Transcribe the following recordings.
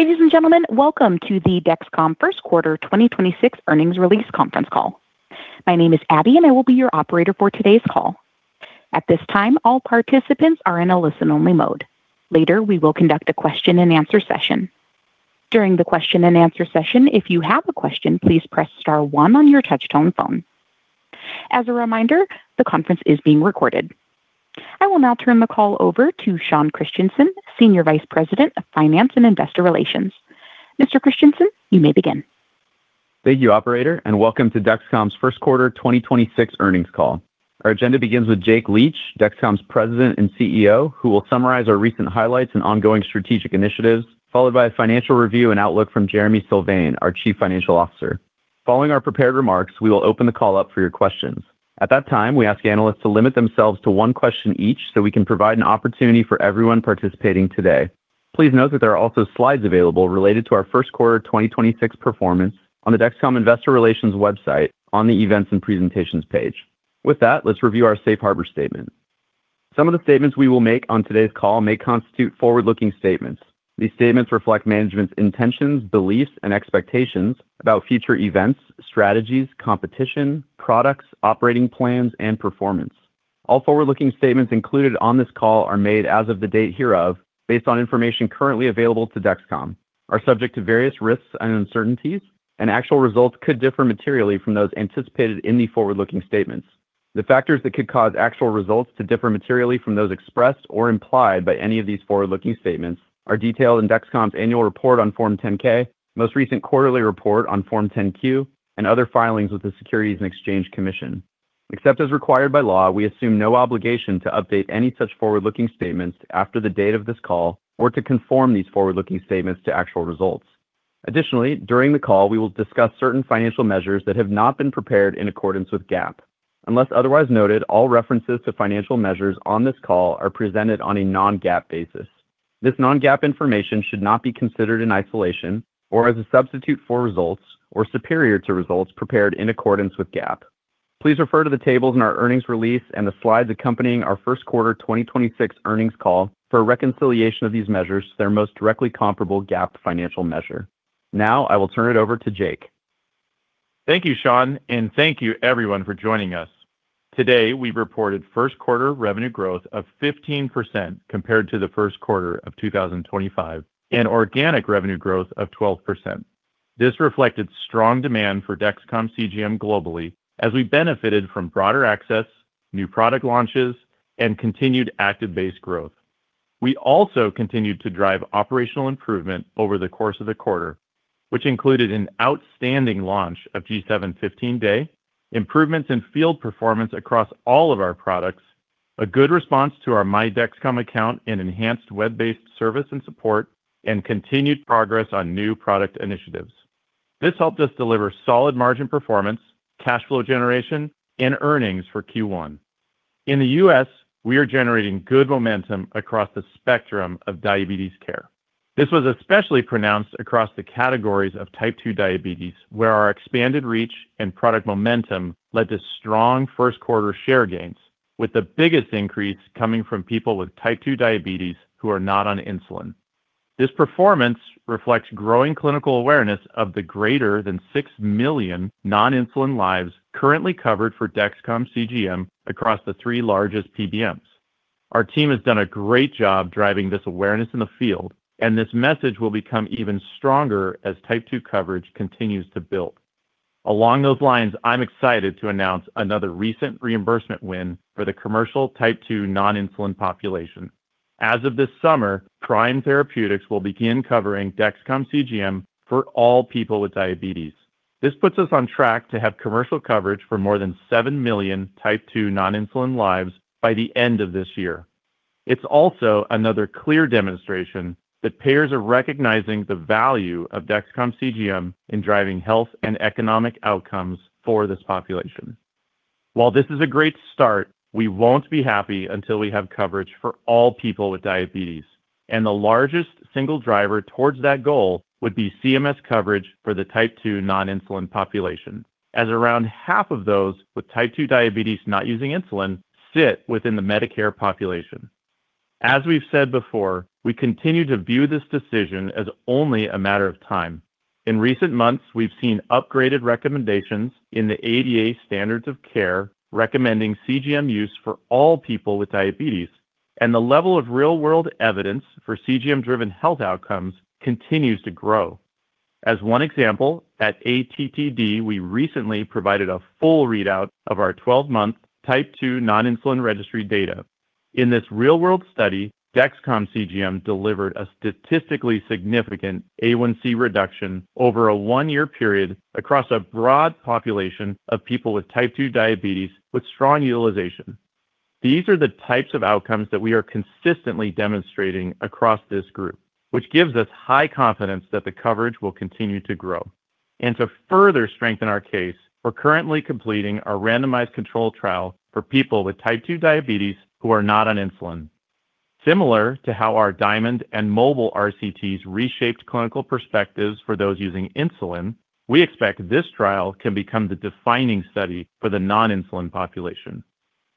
Ladies and gentlemen, welcome to the Dexcom First Quarter 2026 earnings release conference call. My name is Abby, and I will be your operator for today's call. At this time, all participants are in a listen-only mode. Later, we will conduct a question-and-answer session. During the question-and-answer session, if you have a question, please press star one on your touchtone phone. As a reminder, the conference is being recorded. I will now turn the call over to Sean Christensen, Senior Vice President of Finance and Investor Relations. Mr. Christensen, you may begin. Thank you, Operator. Welcome to Dexcom's First Quarter 2026 earnings call. Our agenda begins with Jake Leach, Dexcom's President and CEO, who will summarize our recent highlights and ongoing strategic initiatives, followed by a financial review and outlook from Jereme Sylvain, our Chief Financial Officer. Following our prepared remarks, we will open the call up for your questions. At that time, we ask analysts to limit themselves to one question each so we can provide an opportunity for everyone participating today. Please note that there are also slides available related to our first quarter 2026 performance on the Dexcom Investor Relations website on the Events and Presentations page. With that, let's review our safe harbor statement. Some of the statements we will make on today's call may constitute forward-looking statements. These statements reflect management's intentions, beliefs, and expectations about future events, strategies, competition, products, operating plans, and performance. All forward-looking statements included on this call are made as of the date hereof based on information currently available to Dexcom, are subject to various risks and uncertainties, and actual results could differ materially from those anticipated in the forward-looking statements. The factors that could cause actual results to differ materially from those expressed or implied by any of these forward-looking statements are detailed in Dexcom's annual report on Form 10-K, most recent quarterly report on Form 10-Q, and other filings with the Securities and Exchange Commission. Except as required by law, we assume no obligation to update any such forward-looking statements after the date of this call or to conform these forward-looking statements to actual results. Additionally, during the call, we will discuss certain financial measures that have not been prepared in accordance with GAAP. Unless otherwise noted, all references to financial measures on this call are presented on a non-GAAP basis. This non-GAAP information should not be considered in isolation or as a substitute for results or superior to results prepared in accordance with GAAP. Please refer to the tables in our earnings release and the slides accompanying our first quarter 2026 earnings call for a reconciliation of these measures to their most directly comparable GAAP financial measure. Now, I will turn it over to Jake. Thank you, Sean, and thank you everyone for joining us. Today, we reported first quarter revenue growth of 15% compared to the first quarter of 2025 and organic revenue growth of 12%. This reflected strong demand for Dexcom CGM globally as we benefited from broader access, new product launches, and continued active base growth. We also continued to drive operational improvement over the course of the quarter, which included an outstanding launch of G7 15-Day, improvements in field performance across all of our products, a good response to our My Dexcom Account and enhanced web-based service and support, and continued progress on new product initiatives. This helped us deliver solid margin performance, cash flow generation, and earnings for Q1. In the U.S., we are generating good momentum across the spectrum of diabetes care. This was especially pronounced across the categories of Type 2 diabetes, where our expanded reach and product momentum led to strong first quarter share gains, with the biggest increase coming from people with Type 2 diabetes who are not on insulin. This performance reflects growing clinical awareness of the greater than 6 million non-insulin lives currently covered for Dexcom CGM across the three largest PBMs. Our team has done a great job driving this awareness in the field, and this message will become even stronger as Type 2 coverage continues to build. Along those lines, I'm excited to announce another recent reimbursement win for the commercial Type 2 non-insulin population. As of this summer, Prime Therapeutics will begin covering Dexcom CGM for all people with diabetes. This puts us on track to have commercial coverage for more than 7 million Type 2 non-insulin lives by the end of this year. It's also another clear demonstration that payers are recognizing the value of Dexcom CGM in driving health and economic outcomes for this population. While this is a great start, we won't be happy until we have coverage for all people with diabetes. And the largest single driver towards that goal would be CMS coverage for the Type 2 non-insulin population, as around half of those with Type 2 diabetes not using insulin sit within the Medicare population. As we've said before, we continue to view this decision as only a matter of time. In recent months, we've seen upgraded recommendations in the ADA Standards of Care recommending CGM use for all people with diabetes. And the level of real-world evidence for CGM-driven health outcomes continues to grow. As one example, at ATTD, we recently provided a full readout of our 12-month Type 2 non-insulin registry data. In this real-world study, Dexcom CGM delivered a statistically significant A1C reduction over a 1-year period across a broad population of people with Type 2 diabetes with strong utilization. These are the types of outcomes that we are consistently demonstrating across this group, which gives us high confidence that the coverage will continue to grow. To further strengthen our case, we're currently completing a randomized control trial for people with Type 2 diabetes who are not on insulin. Similar to how our DIaMonD and MOBILE RCTs reshaped clinical perspectives for those using insulin, we expect this trial can become the defining study for the non-insulin population.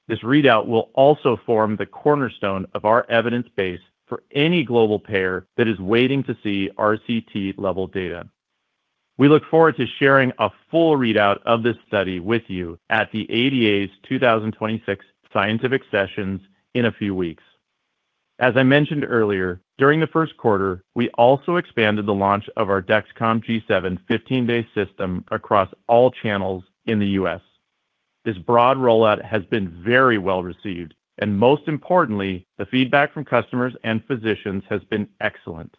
This readout will also form the cornerstone of our evidence base for any global payer that is waiting to see RCT level data. We look forward to sharing a full readout of this study with you at the ADA's 2026 Scientific Sessions in a few weeks. As I mentioned earlier, during the first quarter, we also expanded the launch of our Dexcom G7 15-Day system across all channels in the U.S. This broad rollout has been very well received, and most importantly, the feedback from customers and physicians has been excellent.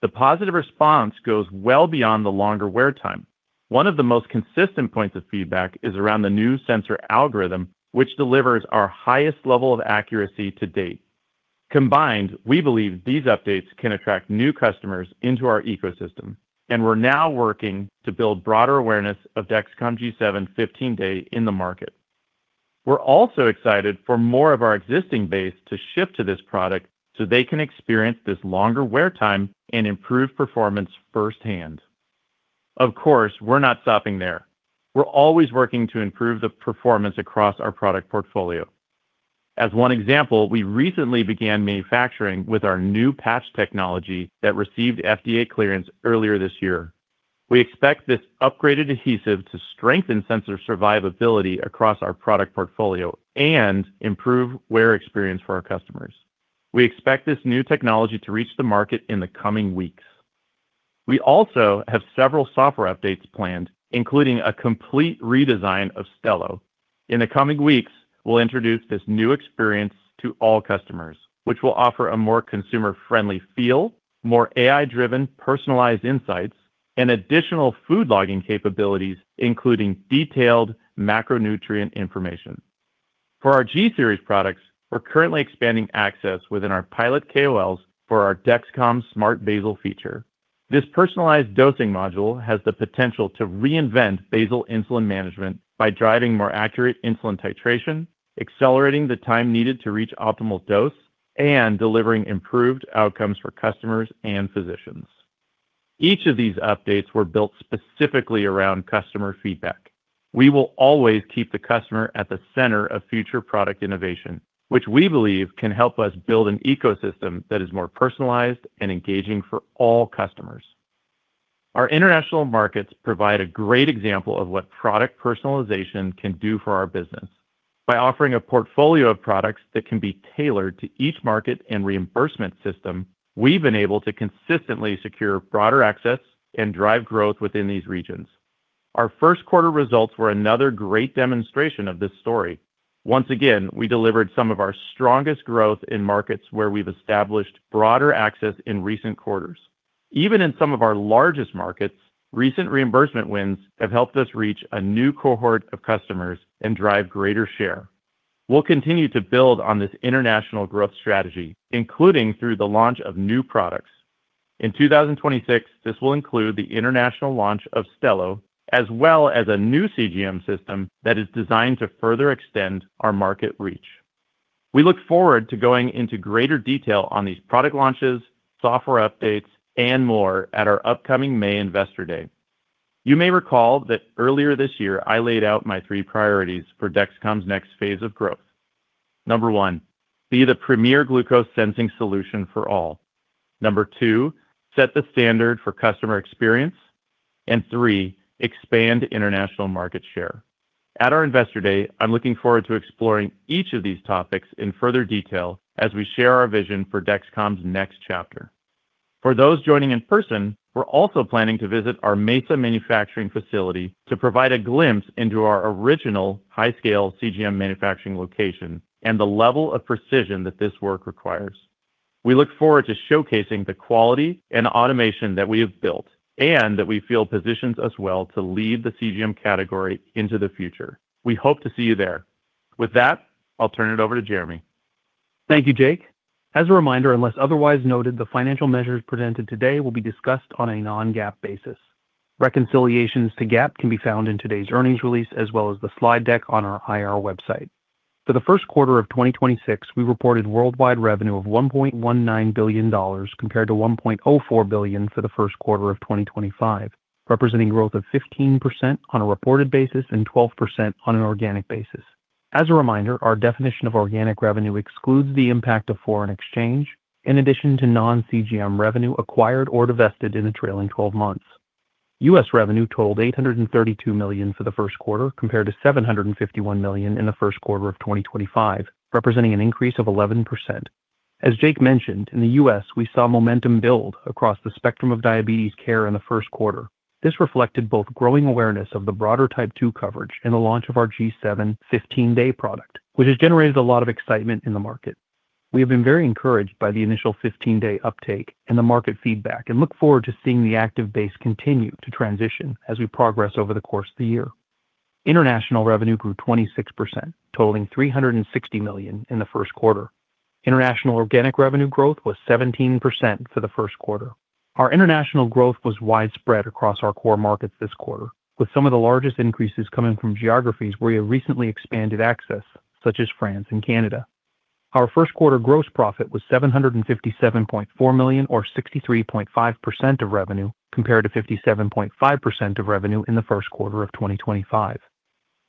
The positive response goes well beyond the longer wear time. One of the most consistent points of feedback is around the new sensor algorithm, which delivers our highest level of accuracy to date. Combined, we believe these updates can attract new customers into our ecosystem, and we're now working to build broader awareness of Dexcom G7 15-Day in the market. We're also excited for more of our existing base to shift to this product so they can experience this longer wear time and improved performance firsthand. Of course, we're not stopping there. We're always working to improve the performance across our product portfolio. As one example, we recently began manufacturing with our new patch technology that received FDA clearance earlier this year. We expect this upgraded adhesive to strengthen sensor survivability across our product portfolio and improve wear experience for our customers. We expect this new technology to reach the market in the coming weeks. We also have several software updates planned, including a complete redesign of Stelo. In the coming weeks, we'll introduce this new experience to all customers, which will offer a more consumer-friendly feel, more AI-driven personalized insights, and additional food logging capabilities, including detailed macronutrient information. For our G-Series products, we're currently expanding access within our pilot KOLs for our Dexcom Smart Basal feature. This personalized dosing module has the potential to reinvent basal insulin management by driving more accurate insulin titration, accelerating the time needed to reach optimal dose, and delivering improved outcomes for customers and physicians. Each of these updates were built specifically around customer feedback. We will always keep the customer at the center of future product innovation, which we believe can help us build an ecosystem that is more personalized and engaging for all customers. Our international markets provide a great example of what product personalization can do for our business. By offering a portfolio of products that can be tailored to each market and reimbursement system, we've been able to consistently secure broader access and drive growth within these regions. Our first quarter results were another great demonstration of this story. Once again, we delivered some of our strongest growth in markets where we've established broader access in recent quarters. Even in some of our largest markets, recent reimbursement wins have helped us reach a new cohort of customers and drive greater share. We'll continue to build on this international growth strategy, including through the launch of new products. In 2026, this will include the international launch of Stelo, as well as a new CGM system that is designed to further extend our market reach. We look forward to going into greater detail on these product launches, software updates, and more at our upcoming May Investor Day. You may recall that earlier this year, I laid out my three priorities for Dexcom's next phase of growth. Number one, be the premier glucose sensing solution for all. Number two, set the standard for customer experience. Three, expand international market share. At our Investor Day, I'm looking forward to exploring each of these topics in further detail as we share our vision for Dexcom's next chapter. For those joining in person, we're also planning to visit our Mesa manufacturing facility to provide a glimpse into our original high-scale CGM manufacturing location and the level of precision that this work requires. We look forward to showcasing the quality and automation that we have built and that we feel positions us well to lead the CGM category into the future. We hope to see you there. With that, I'll turn it over to Jereme. Thank you, Jake. As a reminder, unless otherwise noted, the financial measures presented today will be discussed on a non-GAAP basis. Reconciliations to GAAP can be found in today's earnings release, as well as the slide deck on our IR website. For the first quarter of 2026, we reported worldwide revenue of $1.19 billion compared to $1.04 billion for the first quarter of 2025, representing growth of 15% on a reported basis and 12% on an organic basis. As a reminder, our definition of organic revenue excludes the impact of foreign exchange, in addition to non-CGM revenue acquired or divested in the trailing 12 months. U.S. revenue totaled $832 million for the first quarter, compared to $751 million in the first quarter of 2025, representing an increase of 11%. As Jake mentioned, in the U.S., we saw momentum build across the spectrum of diabetes care in the first quarter. This reflected both growing awareness of the broader Type 2 coverage and the launch of our G7 15-Day product, which has generated a lot of excitement in the market. We have been very encouraged by the initial 15-day uptake and the market feedback, and look forward to seeing the active base continue to transition as we progress over the course of the year. International revenue grew 26%, totaling $360 million in the first quarter. International organic revenue growth was 17% for the first quarter. Our international growth was widespread across our core markets this quarter. With some of the largest increases coming from geographies where we have recently expanded access, such as France and Canada. Our first quarter gross profit was $757.4 million, or 63.5% of revenue, compared to 57.5% of revenue in the first quarter of 2025.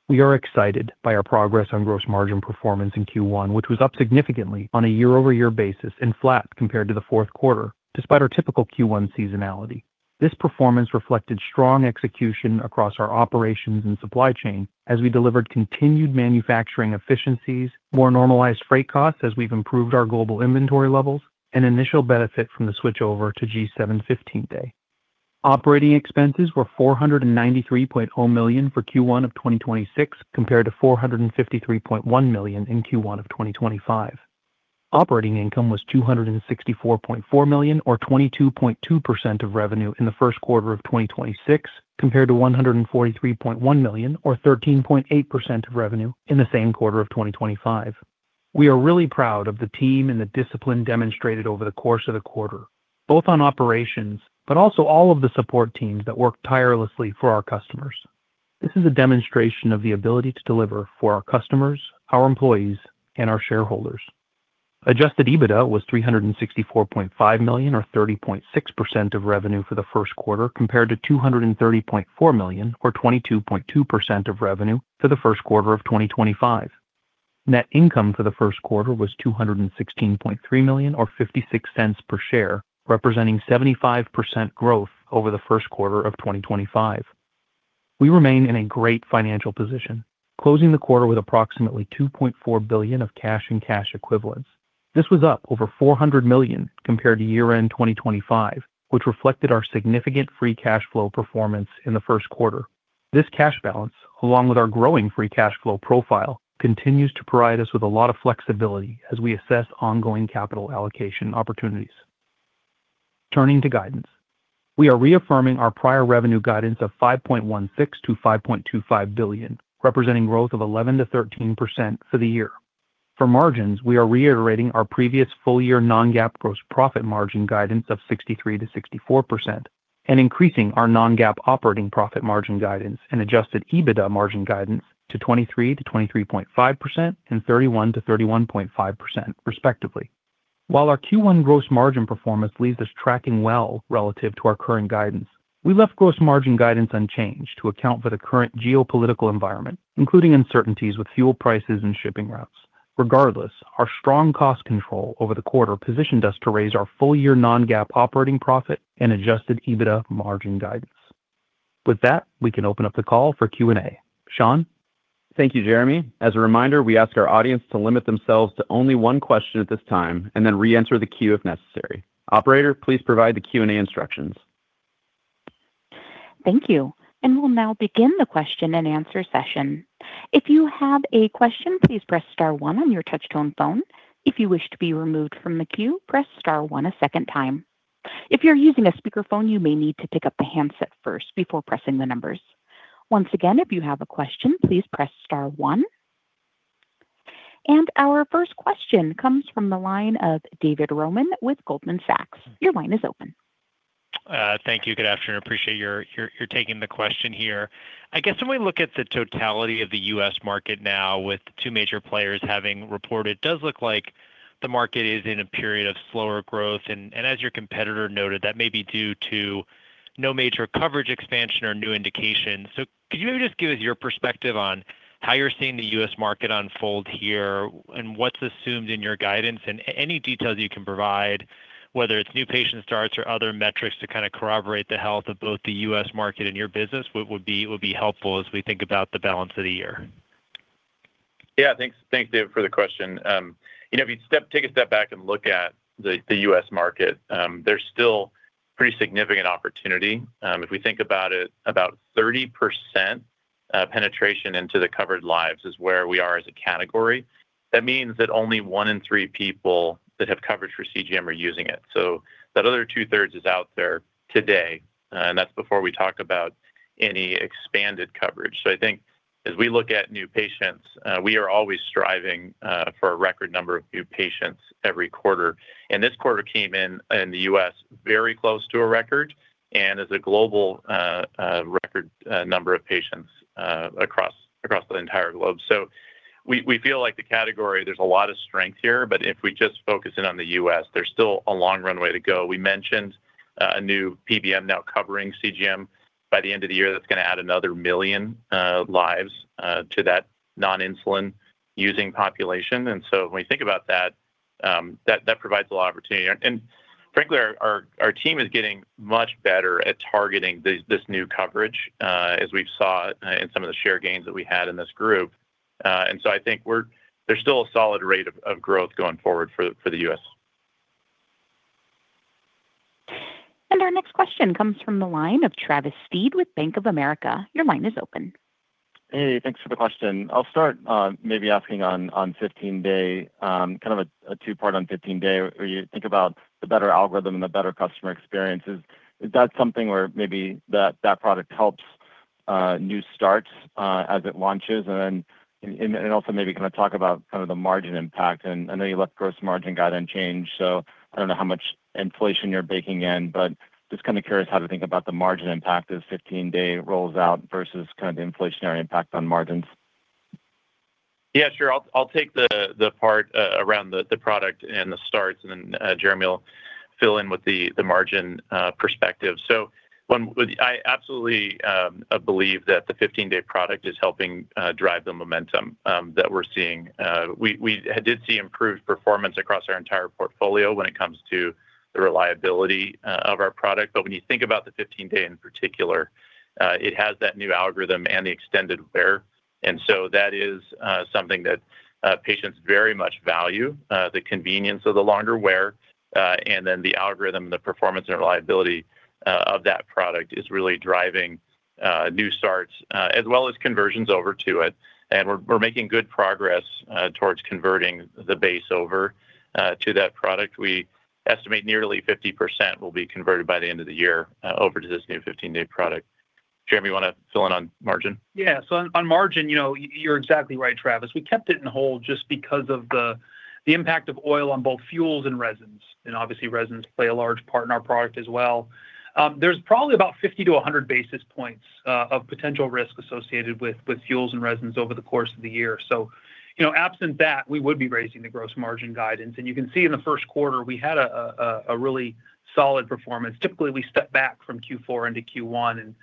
We are excited by our progress on gross margin performance in Q1, which was up significantly on a year-over-year basis and flat compared to the fourth quarter, despite our typical Q1 seasonality. This performance reflected strong execution across our operations and supply chain as we delivered continued manufacturing efficiencies, more normalized freight costs as we've improved our global inventory levels, and initial benefit from the switchover to G7 15-Day. Operating expenses were $493.0 million for Q1 of 2026, compared to $453.1 million in Q1 of 2025. Operating income was $264.4 million, or 22.2% of revenue in the first quarter of 2026, compared to $143.1 million, or 13.8% of revenue in the same quarter of 2025. We are really proud of the team and the discipline demonstrated over the course of the quarter, both on operations, but also all of the support teams that work tirelessly for our customers. This is a demonstration of the ability to deliver for our customers, our employees, and our shareholders. Adjusted EBITDA was $364.5 million, or 30.6% of revenue for the first quarter, compared to $230.4 million, or 22.2% of revenue for the first quarter of 2025. Net income for the first quarter was $216.3 million, or $0.56 per share, representing 75% growth over the first quarter of 2025. We remain in a great financial position, closing the quarter with approximately $2.4 billion of cash and cash equivalents. This was up over $400 million compared to year-end 2025, which reflected our significant free cash flow performance in the first quarter. This cash balance, along with our growing free cash flow profile, continues to provide us with a lot of flexibility as we assess ongoing capital allocation opportunities. Turning to guidance. We are reaffirming our prior revenue guidance of $5.16 billion-$5.25 billion, representing growth of 11%-13% for the year. For margins, we are reiterating our previous full year non-GAAP gross profit margin guidance of 63%-64% and increasing our non-GAAP operating profit margin guidance and Adjusted EBITDA margin guidance to 23%-23.5% and 31%-31.5% respectively. While our Q1 gross margin performance leaves us tracking well relative to our current guidance, we left gross margin guidance unchanged to account for the current geopolitical environment, including uncertainties with fuel prices and shipping routes. Regardless, our strong cost control over the quarter positioned us to raise our full-year non-GAAP operating profit and Adjusted EBITDA margin guidance. With that, we can open up the call for Q&A. Sean? Thank you, Jereme. As a reminder, we ask our audience to limit themselves to only one question at this time and then re-enter the queue if necessary. Operator, please provide the Q&A instructions. Thank you. We'll now begin the question and answer session. If you have a question, please press star one on your touch-tone phone. If you wish to be removed from the queue, press star one a second time. If you're using a speakerphone, you may need to pick up the handset first before pressing the numbers. Once again, if you have a question, please press star one. Our first question comes from the line of David Roman with Goldman Sachs. Your line is open. Thank you. Good afternoon. Appreciate your taking the question here. I guess when we look at the totality of the U.S. market now with two major players having reported. It does look like the market is in a period of slower growth. As your competitor noted, that may be due to no major coverage expansion or new indications. Could you maybe just give us your perspective on how you're seeing the U.S. market unfold here? And what's assumed in your guidance, and any details you can provide, whether it's new patient starts or other metrics to kind of corroborate the health of both the U.S. market and your business would be helpful as we think about the balance of the year? Yeah. Thanks, David, for the question. You know, if you take a step back and look at the U.S. market, there's still pretty significant opportunity. If we think about it, about 30% penetration into the covered lives is where we are as a category. That means that only one in three people that have coverage for CGM are using it. That other 2/3 is out there today, and that's before we talk about any expanded coverage. I think as we look at new patients, we are always striving for a record number of new patients every quarter. This quarter came in in the U.S. very close to a record and as a global record number of patients across the entire globe. We feel like the category, there's a lot of strength here, but if we just focus in on the U.S., there's still a long runway to go. We mentioned a new PBM now covering CGM by the end of the year that's gonna add another million lives to that non-insulin using population. When you think about that provides a lot of opportunity. Frankly, our team is getting much better at targeting this new coverage as we've saw in some of the share gains that we had in this group. I think we're there's still a solid rate of growth going forward for the U.S. Our next question comes from the line of Travis Steed with Bank of America. Your line is open. Hey, thanks for the question. I'll start maybe asking on 15-day, kind of a two-part on 15-day, where you think about the better algorithm and the better customer experiences. Is that something where maybe that product helps new starts as it launches? Also maybe kind of talk about the margin impact. I know you left gross margin guidance change, so I don't know how much inflation you're baking in? But just kind of curious how to think about the margin impact as 15-day rolls out versus kind of the inflationary impact on margins. Yeah, sure. I'll take the part around the product and the starts, and then Jereme will fill in with the margin perspective. I absolutely believe that the 15-day product is helping drive the momentum that we're seeing. We did see improved performance across our entire portfolio when it comes to the reliability of our product. When you think about the 15-day in particular, it has that new algorithm and the extended wear. That is something that patients very much value, the convenience of the longer wear, and then the algorithm, the performance and reliability of that product is really driving new starts, as well as conversions over to it. We're making good progress towards converting the base over to that product. We estimate nearly 50% will be converted by the end of the year over to this new 15-day product. Jereme, you wanna fill in on margin? On, on margin, you know, you're exactly right, Travis. We kept it in hold just because of the impact of oil on both fuels and resins. Obviously, resins play a large part in our product as well. There's probably about 50 basis points-100 basis points of potential risk associated with fuels and resins over the course of the year. You know, absent that, we would be raising the gross margin guidance. You can see in the first quarter, we had a really solid performance. Typically, we step back from Q4 into Q1.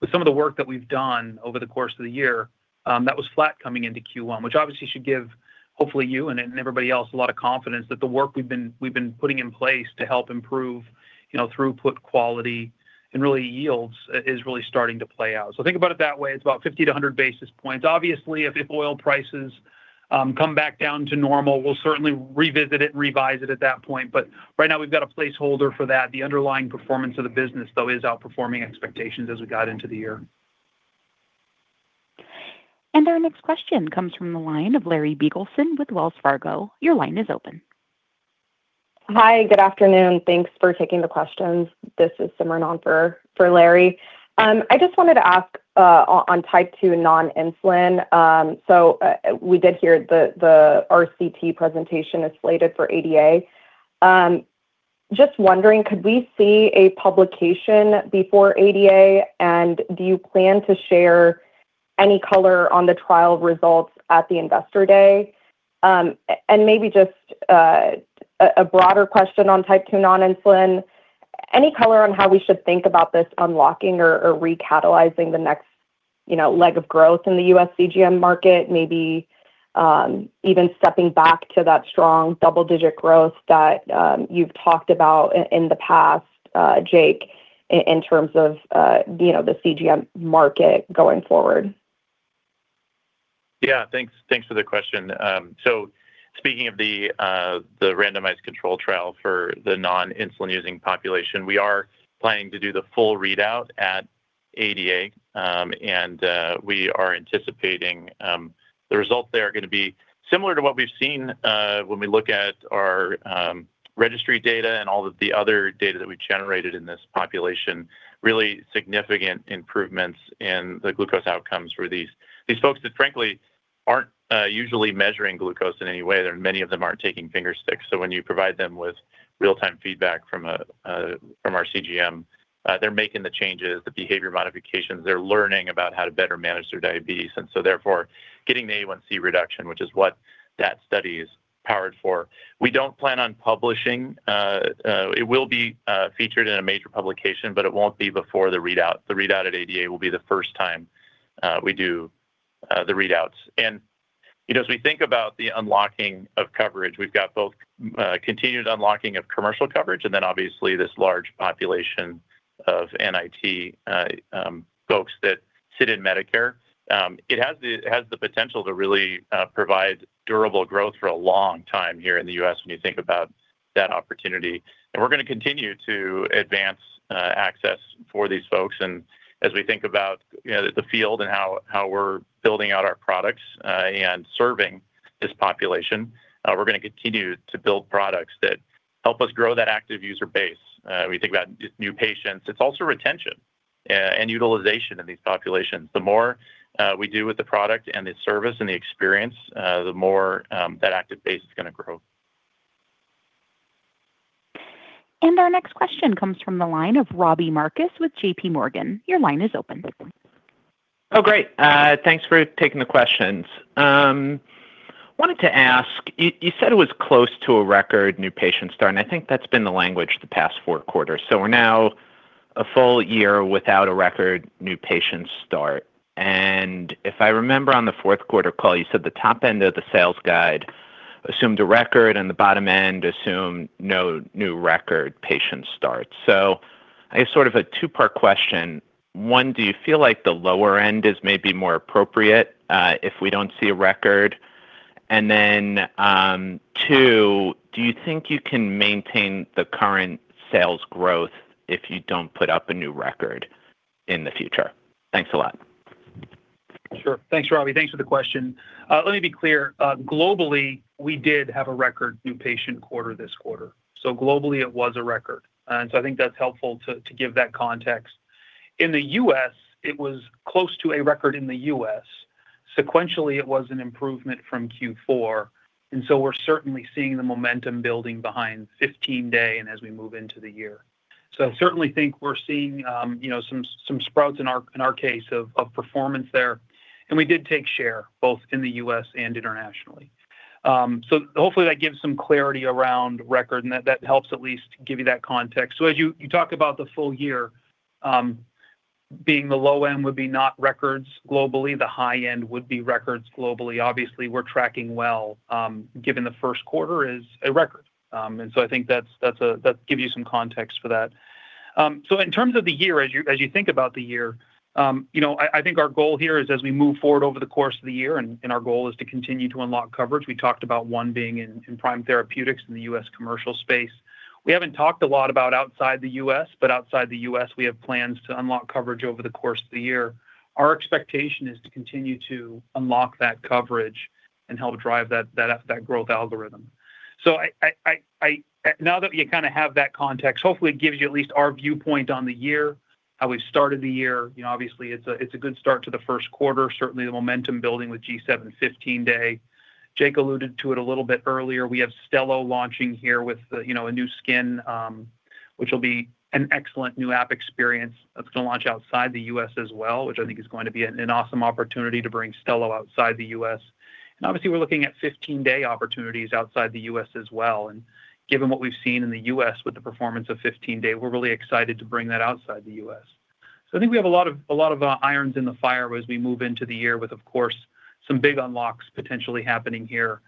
With some of the work that we've done over the course of the year, that was flat coming into Q1, which obviously should give, hopefully you and everybody else a lot of confidence that the work we've been putting in place to help improve, you know, throughput quality and really yields is really starting to play out. Think about it that way. It's about 50 basis points-100 basis points. If oil prices come back down to normal, we'll certainly revisit it, revise it at that point. Right now we've got a placeholder for that. The underlying performance of the business, though, is outperforming expectations as we got into the year. Our next question comes from the line of Larry Biegelsen with Wells Fargo. Your line is open. Hi, good afternoon. Thanks for taking the questions. This is Simran for Larry. I just wanted to ask on Type 2 non-insulin. We did hear the RCT presentation is slated for ADA. Just wondering, could we see a publication before ADA? Do you plan to share any color on the trial results at the Investor Day? Maybe just a broader question on Type 2 non-insulin. Any color on how we should think about this unlocking or recatalyzing the next, you know, leg of growth in the U.S. CGM market? Maybe even stepping back to that strong double-digit growth that you've talked about in the past, Jake, in terms of, you know, the CGM market going forward? Yeah, thanks for the question. Speaking of the randomized controlled trial for the non-insulin using population, we are planning to do the full readout at ADA. We are anticipating the result there are gonna be similar to what we've seen when we look at our registry data and all of the other data that we generated in this population. Really significant improvements in the glucose outcomes for these folks that frankly aren't usually measuring glucose in any way. There are many of them aren't taking finger sticks. When you provide them with real-time feedback from our CGM, they're making the changes, the behavior modifications. They're learning about how to better manage their diabetes, therefore, getting the A1C reduction, which is what that study is powered for. We don't plan on publishing. It will be featured in a major publication, but it won't be before the readout. The readout at ADA will be the first time we do the readouts. You know, as we think about the unlocking of coverage, we've got both continued unlocking of commercial coverage, then obviously this large population of NIT folks that sit in Medicare. It has the potential to really provide durable growth for a long time here in the U.S. when you think about that opportunity. We're gonna continue to advance access for these folks. As we think about, you know, the field and how we're building out our products, and serving this population, we're gonna continue to build products that help us grow that active user base. We think about new patients. It's also retention and utilization in these populations. The more we do with the product and the service and the experience, the more that active base is gonna grow. Our next question comes from the line of Robbie Marcus with JPMorgan. Your line is open. Oh, great. Thanks for taking the questions. I wanted to ask, you said it was close to a record new patient start, and I think that's been the language the past four quarters. We're now a full year without a record new patient start. If I remember on the fourth quarter call, you said the top end of the sales guide assumed a record and the bottom end assumed no new record patient start. I have sort of a two-part question. One, do you feel like the lower end is maybe more appropriate, if we don't see a record? Two, do you think you can maintain the current sales growth if you don't put up a new record in the future? Thanks a lot. Sure. Thanks, Robbie. Thanks for the question. Let me be clear. Globally, we did have a record new patient quarter this quarter. Globally, it was a record. I think that's helpful to give that context. In the U.S., it was close to a record in the U.S. Sequentially, it was an improvement from Q4, we're certainly seeing the momentum building behind 15-day and as we move into the year. I certainly think we're seeing, you know, some sprouts in our case of performance there. We did take share both in the U.S. and internationally. Hopefully that gives some clarity around record and that helps at least give you that context. As you talk about the full year, being the low end would be not records globally, the high end would be records globally. Obviously, we're tracking well, given the first quarter is a record. I think that gives you some context for that. In terms of the year, as you think about the year, you know, I think our goal here is as we move forward over the course of the year, and our goal is to continue to unlock coverage. We talked about one being in Prime Therapeutics in the U.S. commercial space. We haven't talked a lot about outside the U.S., but outside the U.S., we have plans to unlock coverage over the course of the year. Our expectation is to continue to unlock that coverage and help drive that, that growth algorithm. Now that you kind of have that context, hopefully it gives you at least our viewpoint on the year, how we've started the year. You know, obviously it's a, it's a good start to the first quarter. Certainly the momentum building with G7 15-Day. Jake alluded to it a little bit earlier. We have Stelo launching here with the, you know, a new skin, which will be an excellent new app experience that's gonna launch outside the U.S. as well, which I think is going to be an awesome opportunity to bring Stelo outside the U.S. Obviously, we're looking at 15-day opportunities outside the U.S. as well. Given what we've seen in the U.S. with the performance of 15-day, we're really excited to bring that outside the U.S. I think we have a lot of irons in the fire as we move into the year with, of course, some big unlocks potentially happening here.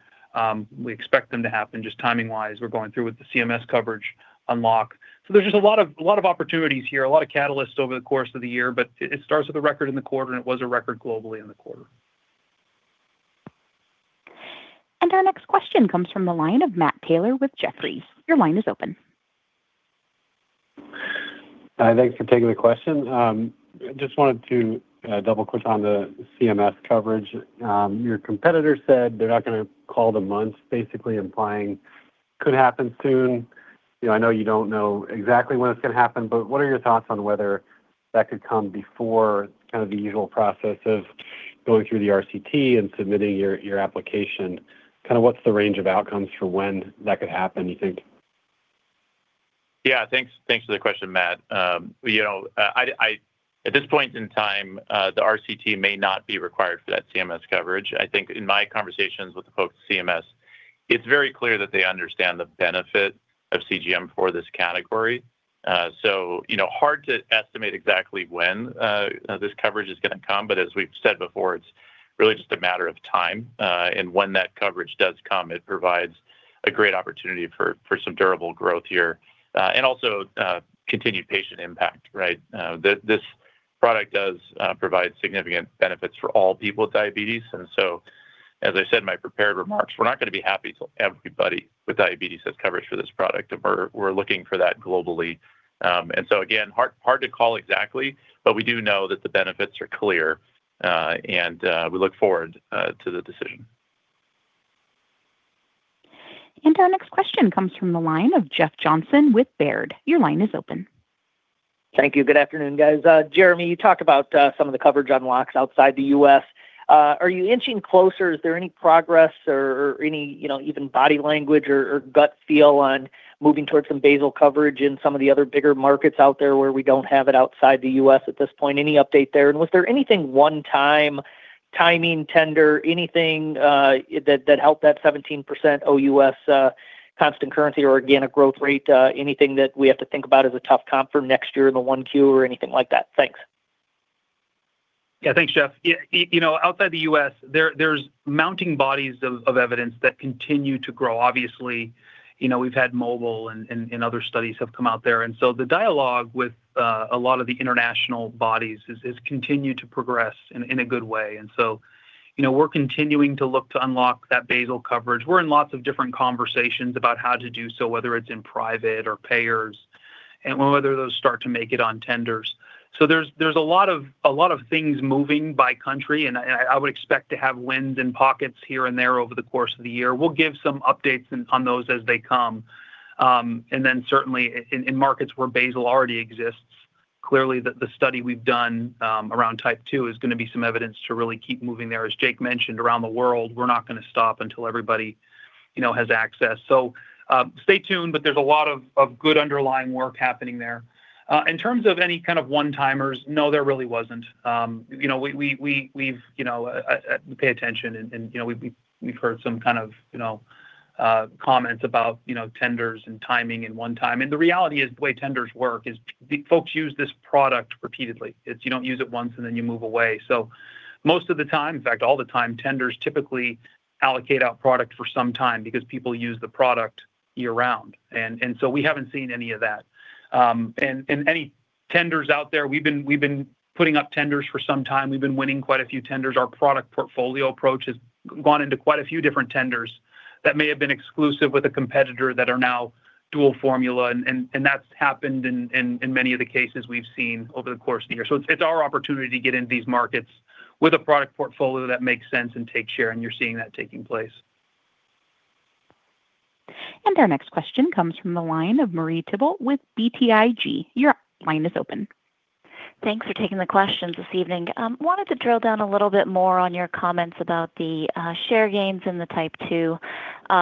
We expect them to happen just timing-wise. We're going through with the CMS coverage unlock. There's just a lot of opportunities here, a lot of catalysts over the course of the year, but it starts with a record in the quarter, and it was a record globally in the quarter. Our next question comes from the line of Matt Taylor with Jefferies. Your line is open. Hi, thanks for taking the question. Just wanted to double-click on the CMS coverage. Your competitor said they're not gonna call the months, basically implying could happen soon. You know, I know you don't know exactly when it's gonna happen, but what are your thoughts on whether that could come before kind of the usual process of going through the RCT and submitting your application? Kind of what's the range of outcomes for when that could happen, you think? Yeah, thanks. Thanks for the question, Matt. you know, at this point in time, the RCT may not be required for that CMS coverage. I think in my conversations with the folks at CMS, it's very clear that they understand the benefit of CGM for this category. You know, hard to estimate exactly when this coverage is gonna come, but as we've said before, it's really just a matter of time. When that coverage does come, it provides a great opportunity for some durable growth here, and also continued patient impact, right? This product does provide significant benefits for all people with diabetes. As I said in my prepared remarks, we're not gonna be happy till everybody with diabetes has coverage for this product, and we're looking for that globally. Again, hard to call exactly, but we do know that the benefits are clear, and we look forward to the decision. Our next question comes from the line of Jeff Johnson with Baird. Your line is open. Thank you. Good afternoon, guys. Jereme, you talked about some of the coverage unlocks outside the US. Are you inching closer? Is there any progress or any, you know, even body language or gut feel on moving towards some basal coverage in some of the other bigger markets out there where we don't have it outside the US at this point? Any update there? Was there anything one-time, timing, tender, anything that helped that 17% O.U.S. constant currency or organic growth rate? Anything that we have to think about as a tough comp for next year in the 1Q or anything like that? Thanks. Yeah, thanks, Jeff. You know, outside the U.S., there's mounting bodies of evidence that continue to grow. Obviously, you know, we've had MOBILE and other studies have come out there. So the dialogue with a lot of the international bodies is continued to progress in a good way. So, you know, we're continuing to look to unlock that basal coverage. We're in lots of different conversations about how to do so, whether it's in private or payers and whether those start to make it on tenders. There's a lot of things moving by country, and I would expect to have wins in pockets here and there over the course of the year. We'll give some updates on those as they come. Certainly in markets where basal already exists, clearly the study we've done around Type 2 is gonna be some evidence to really keep moving there. As Jake mentioned, around the world, we're not gonna stop until everybody, you know, has access. Stay tuned, but there's a lot of good underlying work happening there. In terms of any kind of one-timers, no, there really wasn't. You know, we, we've pay attention and, you know, we've heard some kind of, you know, comments about, you know, tenders and timing and one time. The reality is the way tenders work is folks use this product repeatedly. It's you don't use it once and then you move away. Most of the time, in fact, all the time, tenders typically allocate out product for some time because people use the product year-round. We haven't seen any of that. Any tenders out there, we've been putting up tenders for some time. We've been winning quite a few tenders. Our product portfolio approach has gone into quite a few different tenders that may have been exclusive with a competitor that are now dual formula, that's happened in many of the cases we've seen over the course of the year. It's our opportunity to get into these markets with a product portfolio that makes sense and take share, and you're seeing that taking place. Our next question comes from the line of Marie Thibault with BTIG. Your line is open Thanks for taking the questions this evening. Wanted to drill down a little bit more on your comments about the share gains in the Type 2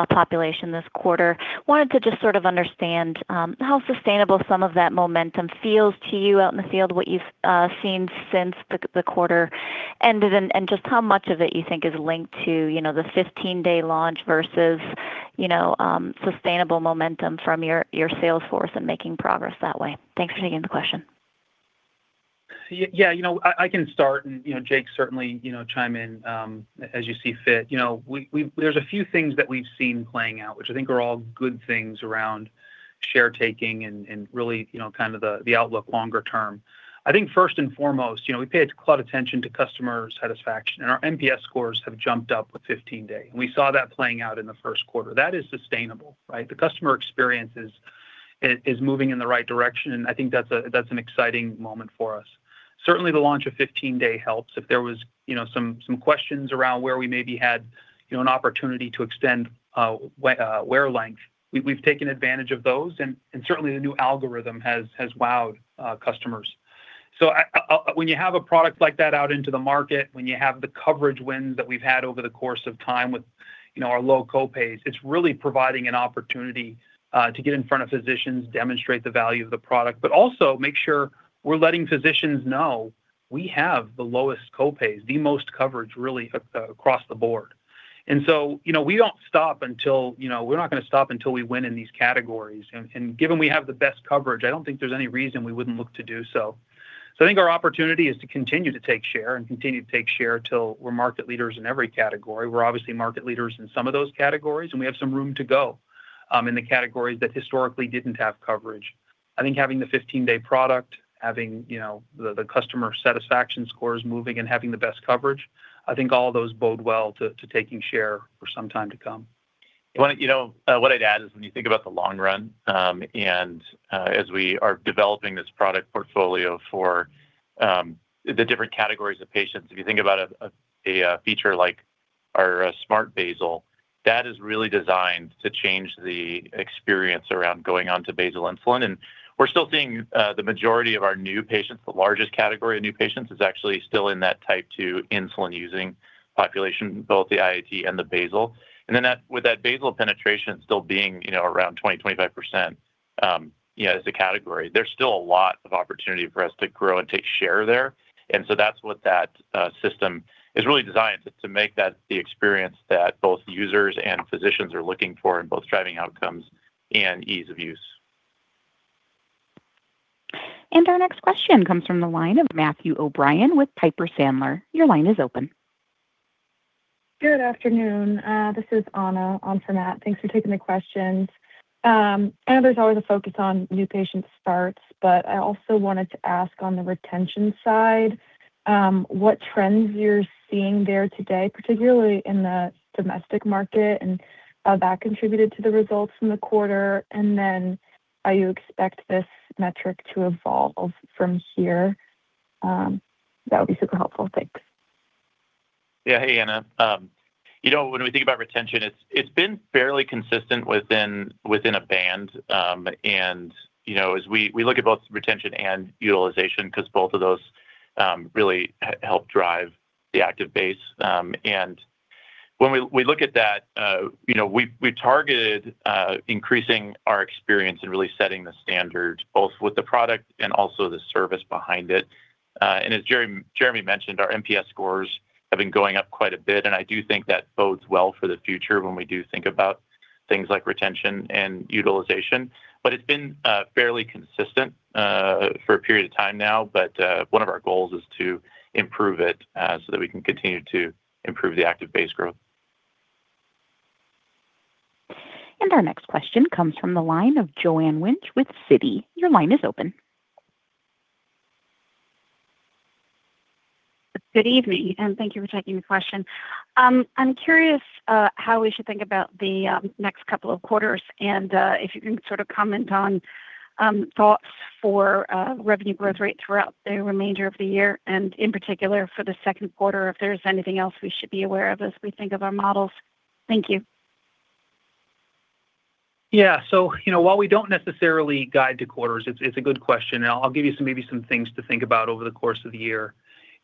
population this quarter. Wanted to just sort of understand how sustainable some of that momentum feels to you out in the field? What you've seen since the quarter ended? Just how much of it you think is linked to, you know, the 15-day launch versus, you know, sustainable momentum from your sales force and making progress that way? Thanks for taking the question. Yeah, you know, I can start and, you know, Jake certainly, you know, chime in as you see fit. You know, we've There's a few things that we've seen playing out, which I think are all good things around share taking and really, you know, kind of the outlook longer term. I think first and foremost, you know, we pay a ton of attention to customer satisfaction, and our NPS scores have jumped up with 15-day, and we saw that playing out in the first quarter. That is sustainable, right? The customer experience is moving in the right direction, and I think that's an exciting moment for us. Certainly, the launch of 15-day helps. If there was, you know, some questions around where we maybe had, you know, an opportunity to extend wear length, we've taken advantage of those and certainly the new algorithm has wowed customers. I, when you have a product like that out into the market, when you have the coverage wins that we've had over the course of time with, you know, our low co-pays, it's really providing an opportunity to get in front of physicians, demonstrate the value of the product. Also make sure we're letting physicians know we have the lowest co-pays, the most coverage really across the board. You know, we're not gonna stop until we win in these categories. Given we have the best coverage, I don't think there's any reason we wouldn't look to do so. I think our opportunity is to continue to take share till we're market leaders in every category. We're obviously market leaders in some of those categories, and we have some room to go in the categories that historically didn't have coverage. I think having the 15-day product, having, you know, the customer satisfaction scores moving and having the best coverage, I think all those bode well to taking share for some time to come. You know, what I'd add is when you think about the long run, as we are developing this product portfolio for the different categories of patients, if you think about a feature like our Smart Basal. That is really designed to change the experience around going onto basal insulin. We're still seeing the majority of our new patients, the largest category of new patients, is actually still in that Type 2 insulin-using population, both the IET and the basal. With that basal penetration still being, you know, around 20%-25%, you know, as a category, there's still a lot of opportunity for us to grow and take share there. That's what that system is really designed to make that the experience that both users and physicians are looking for in both driving outcomes and ease of use. Our next question comes from the line of Matthew O'Brien with Piper Sandler. Your line is open. Good afternoon. This is Anna on for Matt. Thanks for taking the questions. I know there's always a focus on new patient starts, but I also wanted to ask on the retention side, what trends you're seeing there today, particularly in the domestic market, and how that contributed to the results from the quarter? How you expect this metric to evolve from here? That would be super helpful. Thanks. Yeah. Hey, Anna. You know, when we think about retention, it's been fairly consistent within a band. You know, as we look at both retention and utilization because both of those really help drive the active base. When we look at that, you know, we targeted increasing our experience and really setting the standard both with the product and also the service behind it. As Jereme mentioned, our NPS scores have been going up quite a bit, and I do think that bodes well for the future when we do think about things like retention and utilization. It's been fairly consistent for a period of time now, one of our goals is to improve it so that we can continue to improve the active base growth. Our next question comes from the line of Joanne Wuensch with Citi. Your line is open. Good evening, and thank you for taking the question. I'm curious, how we should think about the next couple of quarters? If you can sort of comment on, thoughts for revenue growth rate throughout the remainder of the year and in particular for the second quarter, if there's anything else we should be aware of as we think of our models? Thank you. Yeah. You know, while we don't necessarily guide to quarters, it's a good question, and I'll give you some things to think about over the course of the year.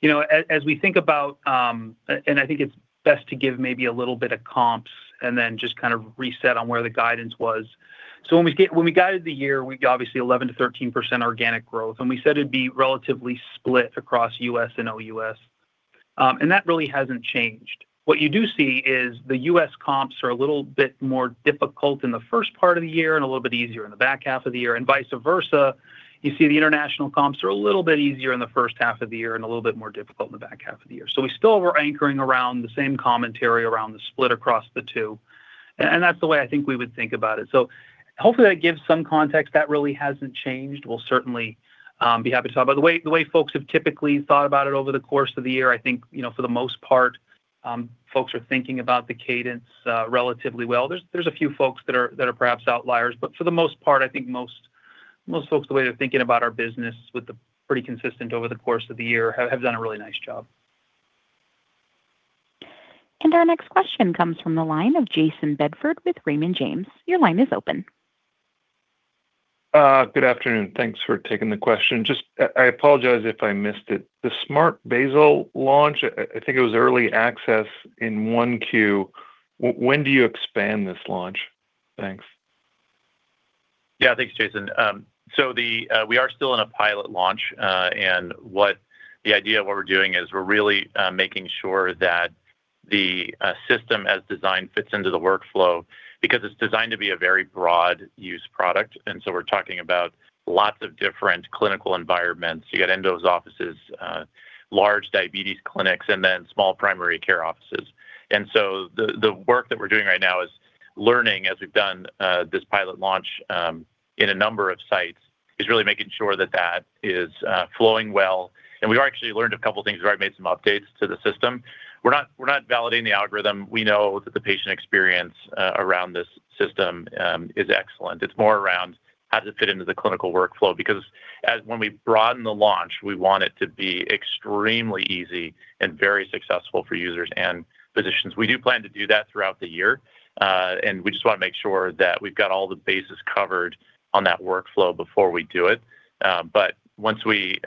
You know, as we think about, I think it's best to give maybe a little bit of comps and then just kind of reset on where the guidance was. When we guided the year, we obviously 11%-13% organic growth, and we said it'd be relatively split across U.S. and O.U.S. That really hasn't changed. What you do see is the U.S. comps are a little bit more difficult in the first part of the year and a little bit easier in the back half of the year. Vice versa, you see the international comps are a little bit easier in the first half of the year and a little bit more difficult in the back half of the year. We still were anchoring around the same commentary around the split across the two. And that's the way I think we would think about it. Hopefully that gives some context. That really hasn't changed. We'll certainly be happy to talk about the way folks have typically thought about it over the course of the year, I think, you know, for the most part, folks are thinking about the cadence relatively well. There's a few folks that are perhaps outliers, but for the most part, I think most folks, the way they're thinking about our business with the pretty consistent over the course of the year have done a really nice job. Our next question comes from the line of Jayson Bedford with Raymond James. Your line is open. Good afternoon. Thanks for taking the question. Just, I apologize if I missed it. The Smart Basal launch, I think it was early access in 1Q. When do you expand this launch? Thanks. Thanks, Jayson. We are still in a pilot launch. What the idea of what we're doing is we're really making sure that the system as designed fits into the workflow because it's designed to be a very broad use product. We're talking about lots of different clinical environments. You got endos offices, large diabetes clinics, and then small primary care offices. The work that we're doing right now is learning as we've done this pilot launch in a number of sites, is really making sure that that is flowing well. We've actually learned a couple things, right, made some updates to the system. We're not, we're not validating the algorithm. We know that the patient experience around this system is excellent. It's more around how does it fit into the clinical workflow, because as when we broaden the launch, we want it to be extremely easy and very successful for users and physicians. We do plan to do that throughout the year. We just wanna make sure that we've got all the bases covered on that workflow before we do it. Once we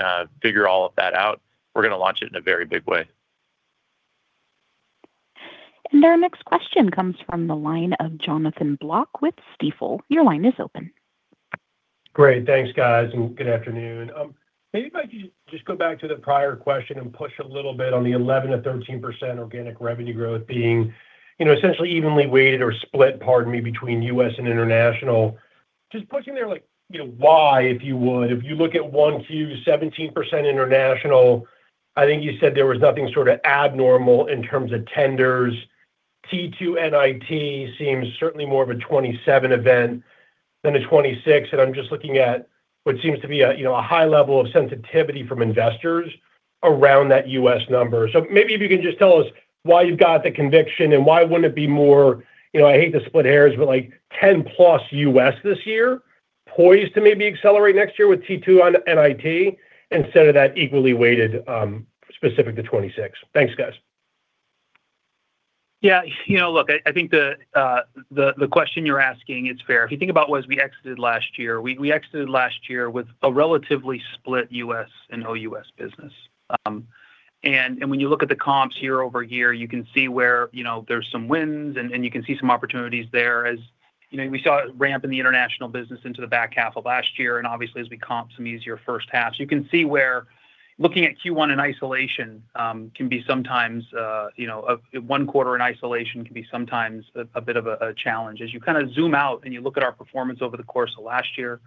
figure all of that out, we're gonna launch it in a very big way. Our next question comes from the line of Jonathan Block with Stifel. Your line is open. Great. Thanks, guys, and good afternoon. Maybe if I could just go back to the prior question and push a little bit on the 11%-13% organic revenue growth being, you know, essentially evenly weighted or split, pardon me, between U.S. and international. Pushing there, like, you know, why, if you would. If you look at 1Q, 17% international, I think you said there was nothing sort of abnormal in terms of tenders. T2NIT seems certainly more of a 2027 event than a 2026. I'm just looking at what seems to be a, you know, a high level of sensitivity from investors around that U.S. number. Maybe if you can just tell us why you've got the conviction and why wouldn't it be more, you know, I hate to split hairs, but like 10+ U.S. this yea? Poised to maybe accelerate next year with T2NIT instead of that equally weighted, specific to 2026. Thanks, guys. Yeah. You know, look, I think the question you're asking is fair. If you think about what as we exited last year, we exited last year with a relatively split U.S. and O.U.S. business. When you look at the comps year-over-year, you can see where, you know, there's some wins and you can see some opportunities there. As you know, we saw a ramp in the international business into the back half of last year and obviously as we comp some easier first halves. You can see where looking at Q1 in isolation can be sometimes, you know, a one quarter in isolation can be sometimes a bit of a challenge. As you kind of zoom out and you look at our performance over the course of last year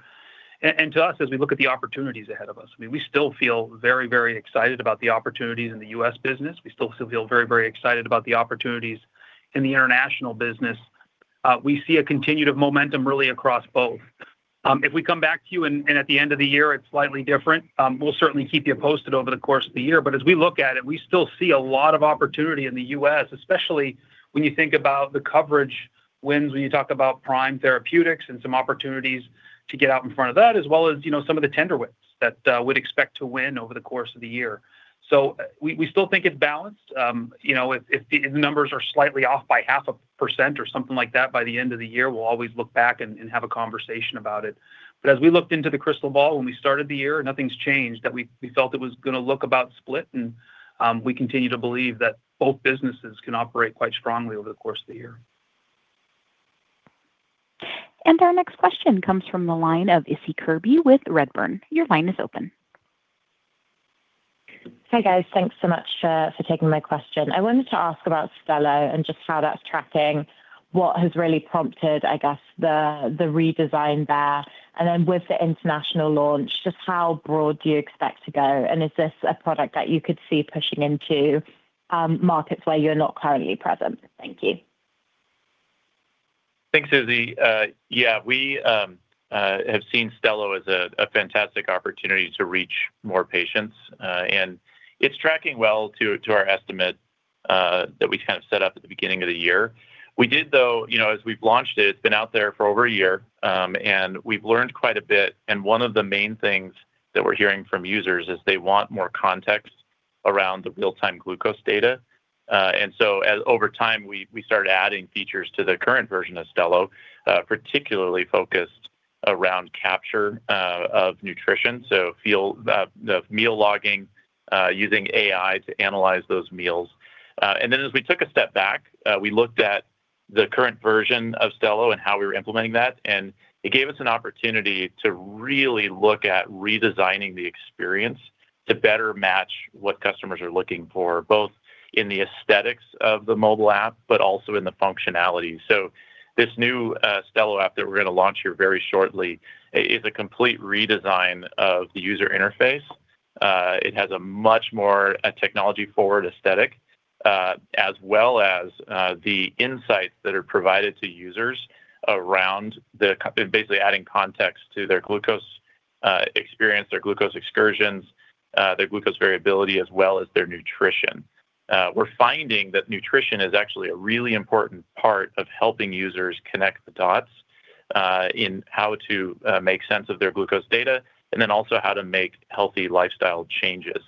and to us as we look at the opportunities ahead of us. I mean, we still feel very, very excited about the opportunities in the U.S. business. We still feel very, very excited about the opportunities in the international business. We see a continued momentum really across both. If we come back to you and at the end of the year it's slightly different, we'll certainly keep you posted over the course of the year. As we look at it, we still see a lot of opportunity in the U.S., especially when you think about the coverage wins when you talk about Prime Therapeutics and some opportunities to get out in front of that, as well as, you know, some of the tender wins that would expect to win over the course of the year. We still think it's balanced. You know, if the numbers are slightly off by half a percent or something like that by the end of the year, we'll always look back and have a conversation about it. As we looked into the crystal ball when we started the year, nothing's changed. That we felt it was gonna look about split and we continue to believe that both businesses can operate quite strongly over the course of the year. Our next question comes from the line of Issie Kirby with Redburn. Your line is open. Hey, guys. Thanks so much for taking my question. I wanted to ask about Stelo and just how that's tracking? What has really prompted, I guess, the redesign there. Then with the international launch, just how broad do you expect to go? And is this a product that you could see pushing into markets where you're not currently present? Thank you. Thanks, Issie. Yeah, we have seen Stelo as a fantastic opportunity to reach more patients, and it's tracking well to our estimate that we kind of set up at the beginning of the year. We did though, you know, as we've launched it's been out there for over a year, and we've learned quite a bit. One of the main things that we're hearing from users is they want more context around the real-time glucose data. As over time, we started adding features to the current version of Stelo, particularly focused around capture of nutrition, so feel the meal logging, using AI to analyze those meals. As we took a step back, we looked at the current version of Stelo and how we were implementing that. And it gave us an opportunity to really look at redesigning the experience to better match what customers are looking for, both in the aesthetics of the mobile app, but also in the functionality. This new Stelo app that we're gonna launch here very shortly is a complete redesign of the user interface. It has a much more a technology-forward aesthetic, as well as the insights that are provided to users around basically adding context to their glucose experience, their glucose excursions, their glucose variability, as well as their nutrition. We're finding that nutrition is actually a really important part of helping users connect the dots. In how to make sense of their glucose data, and then also how to make healthy lifestyle changes.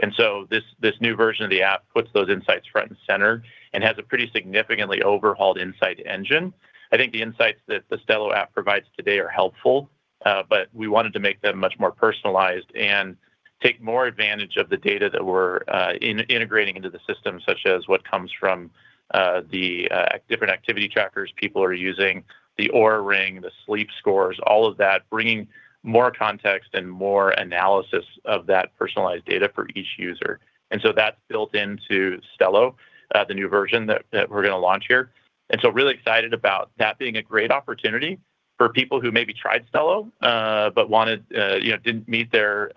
This new version of the app puts those insights front and center and has a pretty significantly overhauled insight engine. I think the insights that the Stelo app provides today are helpful, but we wanted to make them much more personalized and take more advantage of the data that we're integrating into the system, such as what comes from the different activity trackers people are using, the Oura Ring, the sleep scores, all of that, bringing more context and more analysis of that personalized data for each user. That's built into Stelo, the new version that we're gonna launch here. Really excited about that being a great opportunity for people who maybe tried Stelo. You know, didn't meet their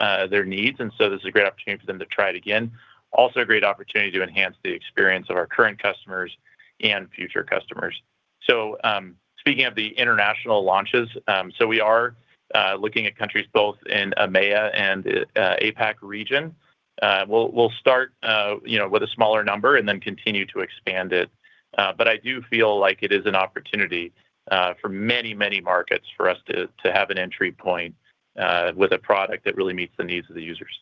needs. This is a great opportunity for them to try it again. Also a great opportunity to enhance the experience of our current customers and future customers. Speaking of the international launches, we are looking at countries both in EMEA and APAC region. We'll start, you know, with a smaller number and then continue to expand it. I do feel like it is an opportunity for many markets for us to have an entry point with a product that really meets the needs of the users.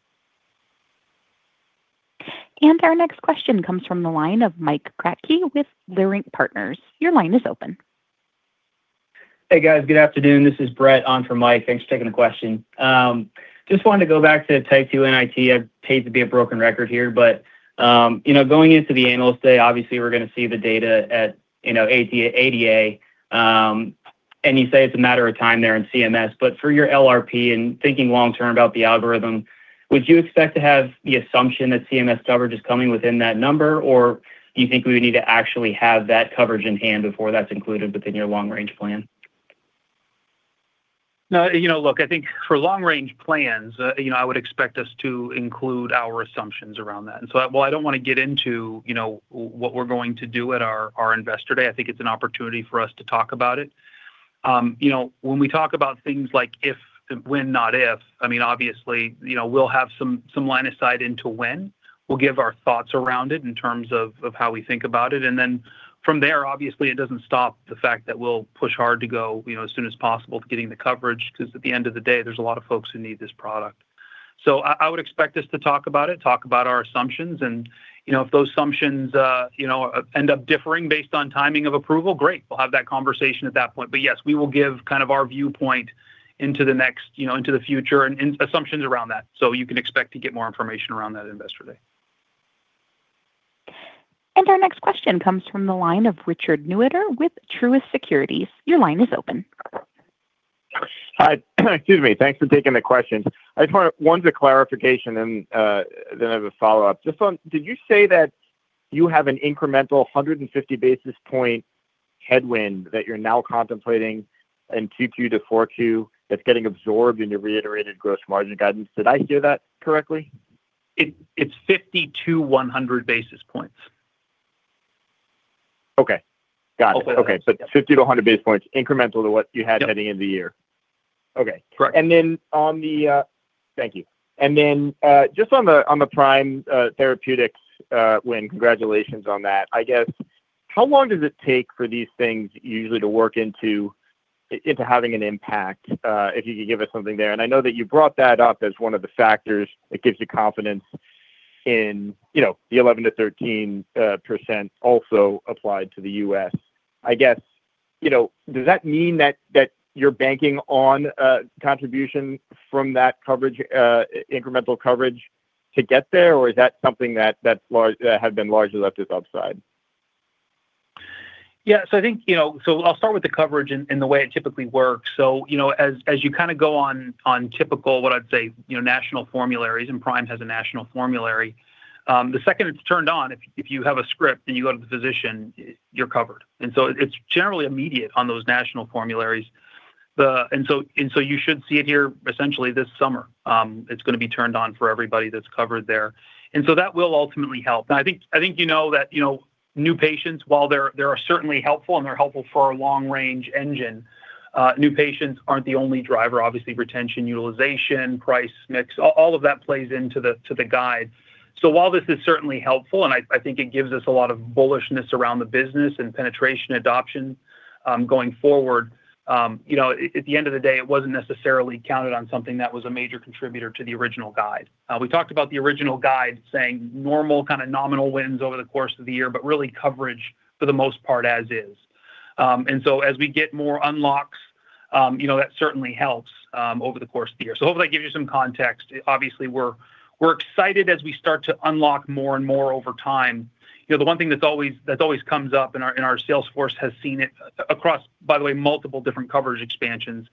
Our next question comes from the line of Mike Kratky with Leerink Partners. Your line is open. Hey, guys. Good afternoon. This is Brett on for Mike. Thanks for taking the question. Just wanted to go back to T2NIT. I hate to be a broken record here. You know, going into the Analyst Day, obviously, we're going to see the data at, you know, at ADA. You say it's a matter of time there in CMS. For your LRP and thinking long term about the algorithm, would you expect to have the assumption that CMS coverage is coming within that number? Or do you think we would need to actually have that coverage in hand before that's included within your long-range plan? No. You know, look, I think for long-range plans, you know, I would expect us to include our assumptions around that. While I don't wanna get into, you know, what we're going to do at our Investor Day, I think it's an opportunity for us to talk about it. You know, when we talk about things like when not if, I mean, obviously, you know, we'll have some line of sight into when. We'll give our thoughts around it in terms of how we think about it, from there, obviously, it doesn't stop the fact that we'll push hard to go, you know, as soon as possible to getting the coverage. 'Cause at the end of the day, there's a lot of folks who need this product. I would expect us to talk about it, talk about our assumptions. You know, if those assumptions, you know, end up differing based on timing of approval, great. We'll have that conversation at that point. Yes, we will give kind of our viewpoint into the future and assumptions around that. You can expect to get more information around that Investor Day. Our next question comes from the line of Richard Newitter with Truist Securities. Your line is open. Hi. Excuse me. Thanks for taking the questions. One's a clarification and then I have a follow-up. Did you say that you have an incremental 150 basis point headwind that you're now contemplating in Q2 to 4Q that's getting absorbed in your reiterated gross margin guidance? Did I hear that correctly? It's 50 basis points-100 basis points. Okay. Got it. I'll say that. Okay. 50 basis points-100 basis points incremental to what you had heading into the year. Okay. Correct. Thank you. Just on the Prime Therapeutics win, congratulations on that. I guess, how long does it take for these things usually to work into having an impact? If you could give us something there. I know that you brought that up as one of the factors that gives you confidence in, you know, the 11%-13% also applied to the U.S. I guess, you know, does that mean that you're banking on contribution from that coverage, incremental coverage to get there? Or is that something that had been largely left as upside? I think, you know, I'll start with the coverage and the way it typically works. You know, as you kind of go on typical, what I'd say, you know, national formularies, and Prime has a national formulary. The second it's turned on, if you have a script and you go to the physician, you're covered. It's generally immediate on those national formularies. You should see it here essentially this summer. It's going to be turned on for everybody that's covered there. That will ultimately help. I think, I think you know that, you know, new patients, while they are certainly helpful and they are helpful for our long-range engine, new patients aren't the only driver. Obviously, retention, utilization, price, mix, all of that plays into the guide. While this is certainly helpful, and I think it gives us a lot of bullishness around the business and penetration adoption, going forward, you know, at the end of the day, it wasn't necessarily counted on something that was a major contributor to the original guide. We talked about the original guide saying normal kind of nominal wins over the course of the year, but really coverage for the most part as is. As we get more unlocks, you know, that certainly helps over the course of the year. Hopefully that gives you some context. Obviously, we're excited as we start to unlock more and more over time. You know, the one thing that always comes up, and our sales force has seen it across, by the way, multiple different coverage expansions,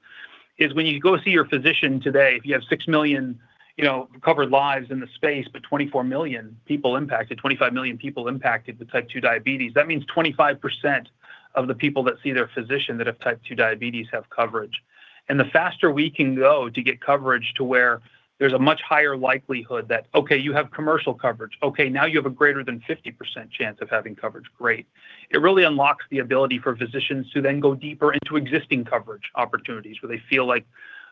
is when you go see your physician today, if you have 6 million, you know, covered lives in the space, 25 million people impacted with Type 2 diabetes, that means 25% of the people that see their physician that have Type 2 diabetes have coverage. The faster we can go to get coverage to where there's a much higher likelihood that, okay, you have commercial coverage. Okay, now you have a greater than 50% chance of having coverage. Great. It really unlocks the ability for physicians to then go deeper into existing coverage opportunities where they feel, like,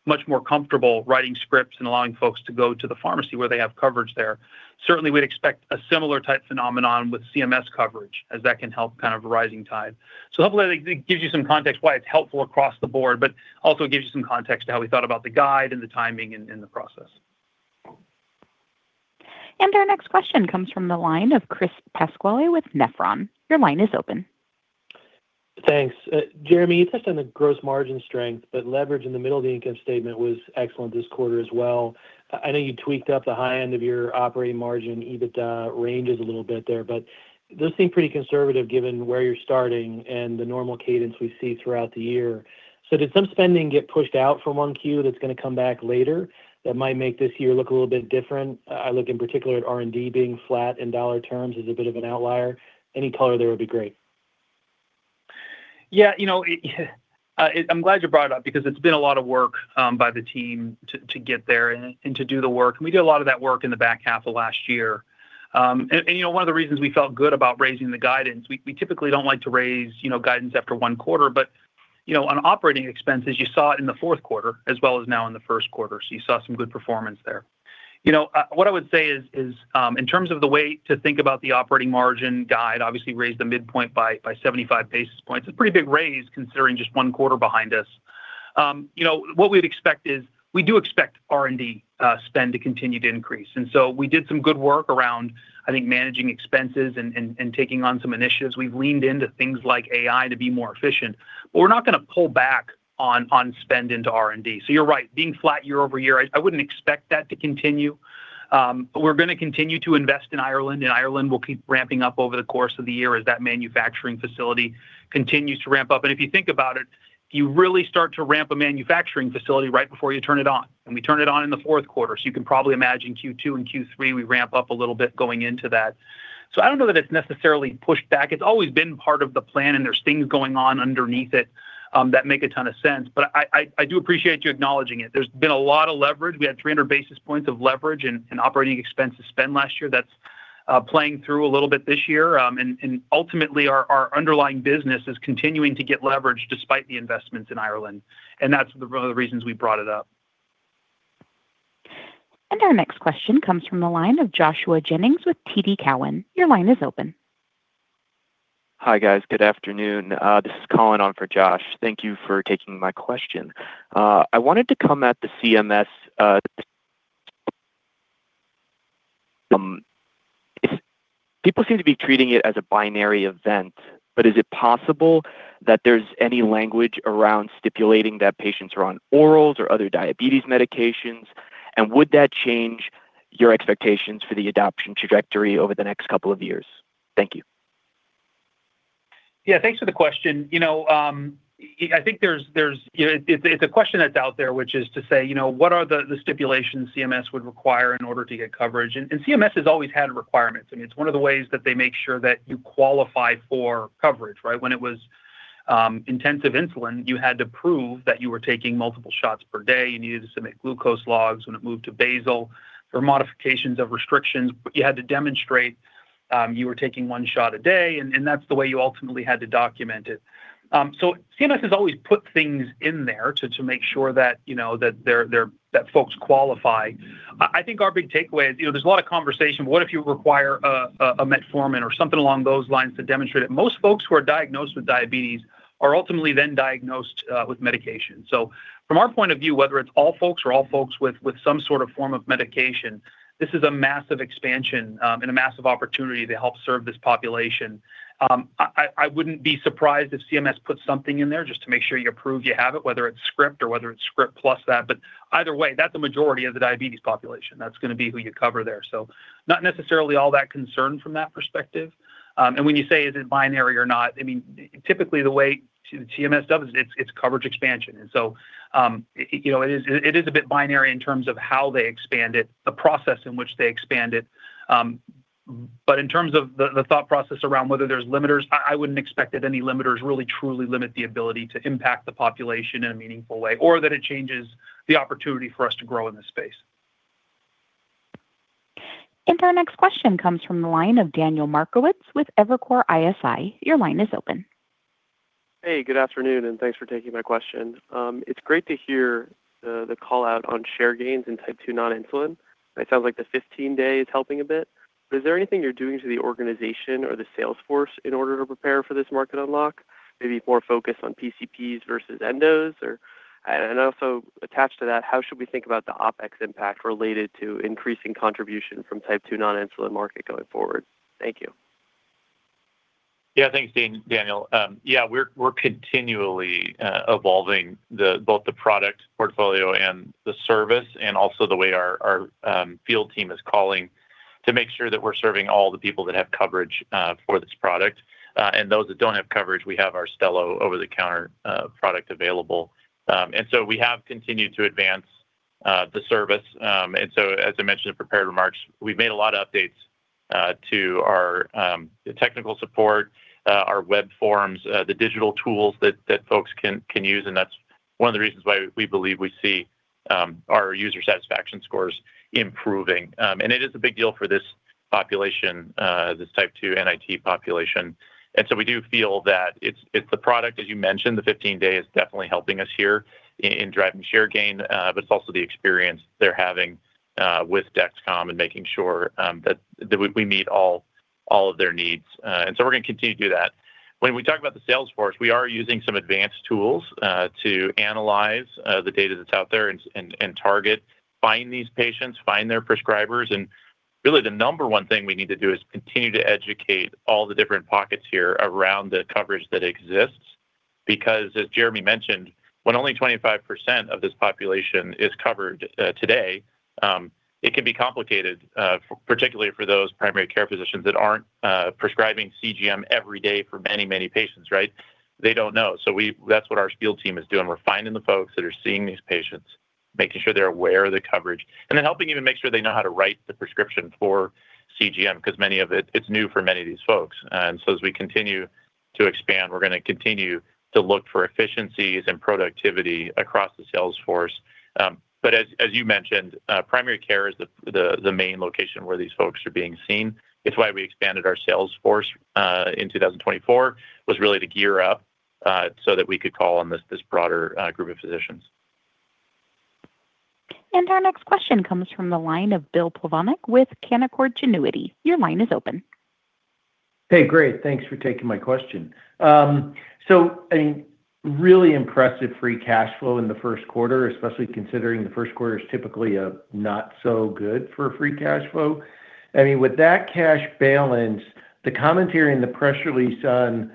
much more comfortable writing scripts and allowing folks to go to the pharmacy where they have coverage there. Certainly, we'd expect a similar type phenomenon with CMS coverage as that can help kind of rising tide. Hopefully that gives you some context why it's helpful across the board, but also gives you some context to how we thought about the guide and the timing in the process. Our next question comes from the line of Chris Pasquale with Nephron. Your line is open. Thanks. Jereme, you touched on the gross margin strength, leverage in the middle of the income statement was excellent this quarter as well. I know you tweaked up the high end of your operating margin, EBITDA ranges a little bit there. Those seem pretty conservative given where you're starting and the normal cadence we see throughout the year? Did some spending get pushed out from 1Q that's gonna come back later that might make this year look a little bit different? I look in particular at R&D being flat in dollar terms as a bit of an outlier. Any color there would be great? Yeah, you know, I'm glad you brought it up because it's been a lot of work by the team to get there and to do the work, and we did a lot of that work in the back half of last year. You know, one of the reasons we felt good about raising the guidance, we typically don't like to raise, you know, guidance after one quarter. You know, on operating expenses, you saw it in the fourth quarter as well as now in the first quarter. You saw some good performance there. You know, what I would say is, in terms of the way to think about the operating margin guide, obviously raised the midpoint by 75 basis points. It's a pretty big raise considering just one quarter behind us. What we'd expect is we do expect R&D spend to continue to increase. We did some good work around, I think, managing expenses and taking on some initiatives. We've leaned into things like AI to be more efficient. We're not gonna pull back on spend into R&D. You're right. Being flat year-over-year, I wouldn't expect that to continue. We're gonna continue to invest in Ireland, and Ireland will keep ramping up over the course of the year as that manufacturing facility continues to ramp up. If you think about it, you really start to ramp a manufacturing facility right before you turn it on, and we turned it on in the fourth quarter. You can probably imagine Q2 and Q3, we ramp up a little bit going into that. I don't know that it's necessarily pushed back. It's always been part of the plan, and there's things going on underneath it that make a ton of sense. I do appreciate you acknowledging it. There's been a lot of leverage. We had 300 basis points of leverage and operating expenses spend last year that's playing through a little bit this year. Ultimately our underlying business is continuing to get leverage despite the investments in Ireland, and that's the reasons we brought it up. Our next question comes from the line of Joshua Jennings with TD Cowen. Hi, guys. Good afternoon. This is Colin on for Josh. Thank you for taking my question. I wanted to come at the CMS. People seem to be treating it as a binary event, but is it possible that there's any language around stipulating that patients are on orals or other diabetes medication? And would that change your expectations for the adoption trajectory over the next couple of years? Thank you. Yeah. Thanks for the question. You know, I think it's a question that's out there, which is to say, you know, what are the stipulations CMS would require in order to get coverage? CMS has always had requirements. I mean, it's one of the ways that they make sure that you qualify for coverage, right? When it was intensive insulin, you had to prove that you were taking multiple shots per day. You needed to submit glucose logs. When it moved to basal, there were modifications of restrictions, but you had to demonstrate, you were taking one shot a day, and that's the way you ultimately had to document it. CMS has always put things in there to make sure that, you know, that folks qualify. I think our big takeaway is, you know, there's a lot of conversation, what if you require a metformin or something along those lines to demonstrate it? Most folks who are diagnosed with diabetes are ultimately then diagnosed with medication. From our point of view, whether it's all folks or all folks with some sort of form of medication, this is a massive expansion and a massive opportunity to help serve this population. I wouldn't be surprised if CMS puts something in there just to make sure you prove you have it, whether it's script or whether it's script plus that. Either way, that's the majority of the diabetes population. That's gonna be who you cover there. Not necessarily all that concerned from that perspective. When you say is it binary or not, I mean, typically the way CMS does it's, it's coverage expansion. You know, it is, it is a bit binary in terms of how they expand it, the process in which they expand it. In terms of the thought process around whether there's limiters, I wouldn't expect that any limiters really truly limit the ability to impact the population in a meaningful way or that it changes the opportunity for us to grow in this space. Our next question comes from the line of Daniel Markowitz with Evercore ISI. Your line is open. Hey, good afternoon, and thanks for taking my question. It's great to hear the call out on share gains in Type 2 non-insulin. It sounds like the 15-day is helping a bit. Is there anything you're doing to the organization or the sales force in order to prepare for this market unlock, maybe more focused on PCPs versus endos? Also attached to that, how should we think about the OpEx impact related to increasing contribution from Type 2 non-insulin market going forward? Thank you. Yeah. Thanks, Daniel. Yeah, we're continually evolving both the product portfolio and the service and also the way our field team is calling to make sure that we're serving all the people that have coverage for this product. Those that don't have coverage, we have our Stelo over-the-counter product available. We have continued to advance the service. As I mentioned in prepared remarks, we've made a lot of updates to our technical support, our web forms, the digital tools that folks can use, and that's one of the reasons why we believe we see our user satisfaction scores improving. It is a big deal for this population, this Type 2 NIT population. We do feel that it's the product, as you mentioned, the 15-day is definitely helping us here in driving share gain. It's also the experience they're having with Dexcom and making sure that we meet all of their needs. We're gonna continue to do that. When we talk about the sales force, we are using some advanced tools to analyze the data that's out there and target, find these patients, find their prescribers. Really the number one thing we need to do is continue to educate all the different pockets here around the coverage that exists. As Jereme mentioned, when only 25% of this population is covered today, it can be complicated, for particularly for those primary care physicians that aren't prescribing CGM every day for many, many patients, right? They don't know. That's what our field team is doing. We're finding the folks that are seeing these patients, making sure they're aware of the coverage, and then helping even make sure they know how to write the prescription for CGM because many of it's new for many of these folks. As we continue to expand, we're gonna continue to look for efficiencies and productivity across the sales force. As you mentioned, primary care is the main location where these folks are being seen. It's why we expanded our sales force in 2024. Was really to gear up, so that we could call on this broader group of physicians. Our next question comes from the line of Bill Plovanic with Canaccord Genuity. Your line is open. Hey, great. Thanks for taking my question. A really impressive free cash flow in the first quarter, especially considering the first quarter is typically a not so good for free cash flow. I mean, with that cash balance, the commentary in the press release on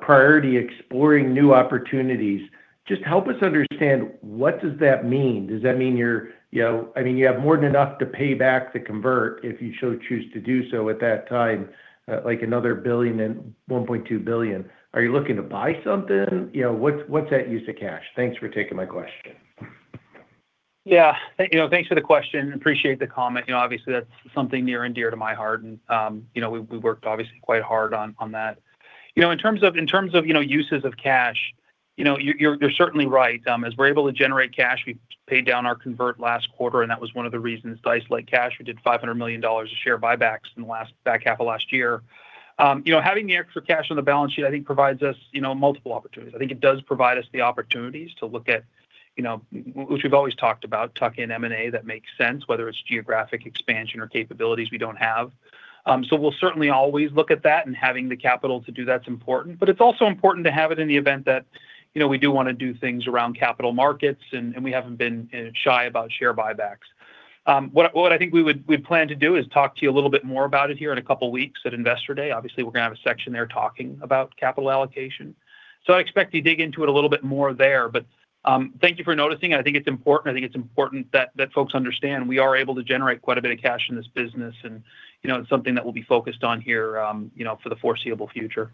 priority exploring new opportunities, just help us understand what does that mean? Does that mean you're, you know, I mean, you have more than enough to pay back the convert if you so choose to do so at that time, like another $1 billion and $1.2 billion. Are you looking to buy something? You know, what's that use of cash? Thanks for taking my question. You know, thanks for the question. Appreciate the comment. You know, obviously, that's something near and dear to my heart and, you know, we worked obviously quite hard on that. You know, in terms of, you know, uses of cash, you know, you're certainly right. As we're able to generate cash, we paid down our convert last quarter, and that was one of the reasons to isolate cash. We did $500 million of share buybacks in the last back half of last year. You know, having the extra cash on the balance sheet, I think provides us, you know, multiple opportunities. I think it does provide us the opportunities to look at, you know, which we've always talked about, tuck in M&A that makes sense, whether it's geographic expansion or capabilities we don't have. We'll certainly always look at that and having the capital to do that's important. It's also important to have it in the event that, you know, we do wanna do things around capital markets and we haven't been shy about share buybacks. What I think we plan to do is talk to you a little bit more about it here in a couple of weeks at Investor Day. Obviously, we're gonna have a section there talking about capital allocation. I expect to dig into it a little bit more there. Thank you for noticing. I think it's important. I think it's important that folks understand we are able to generate quite a bit of cash in this business and, you know, it's something that we'll be focused on here, you know, for the foreseeable future.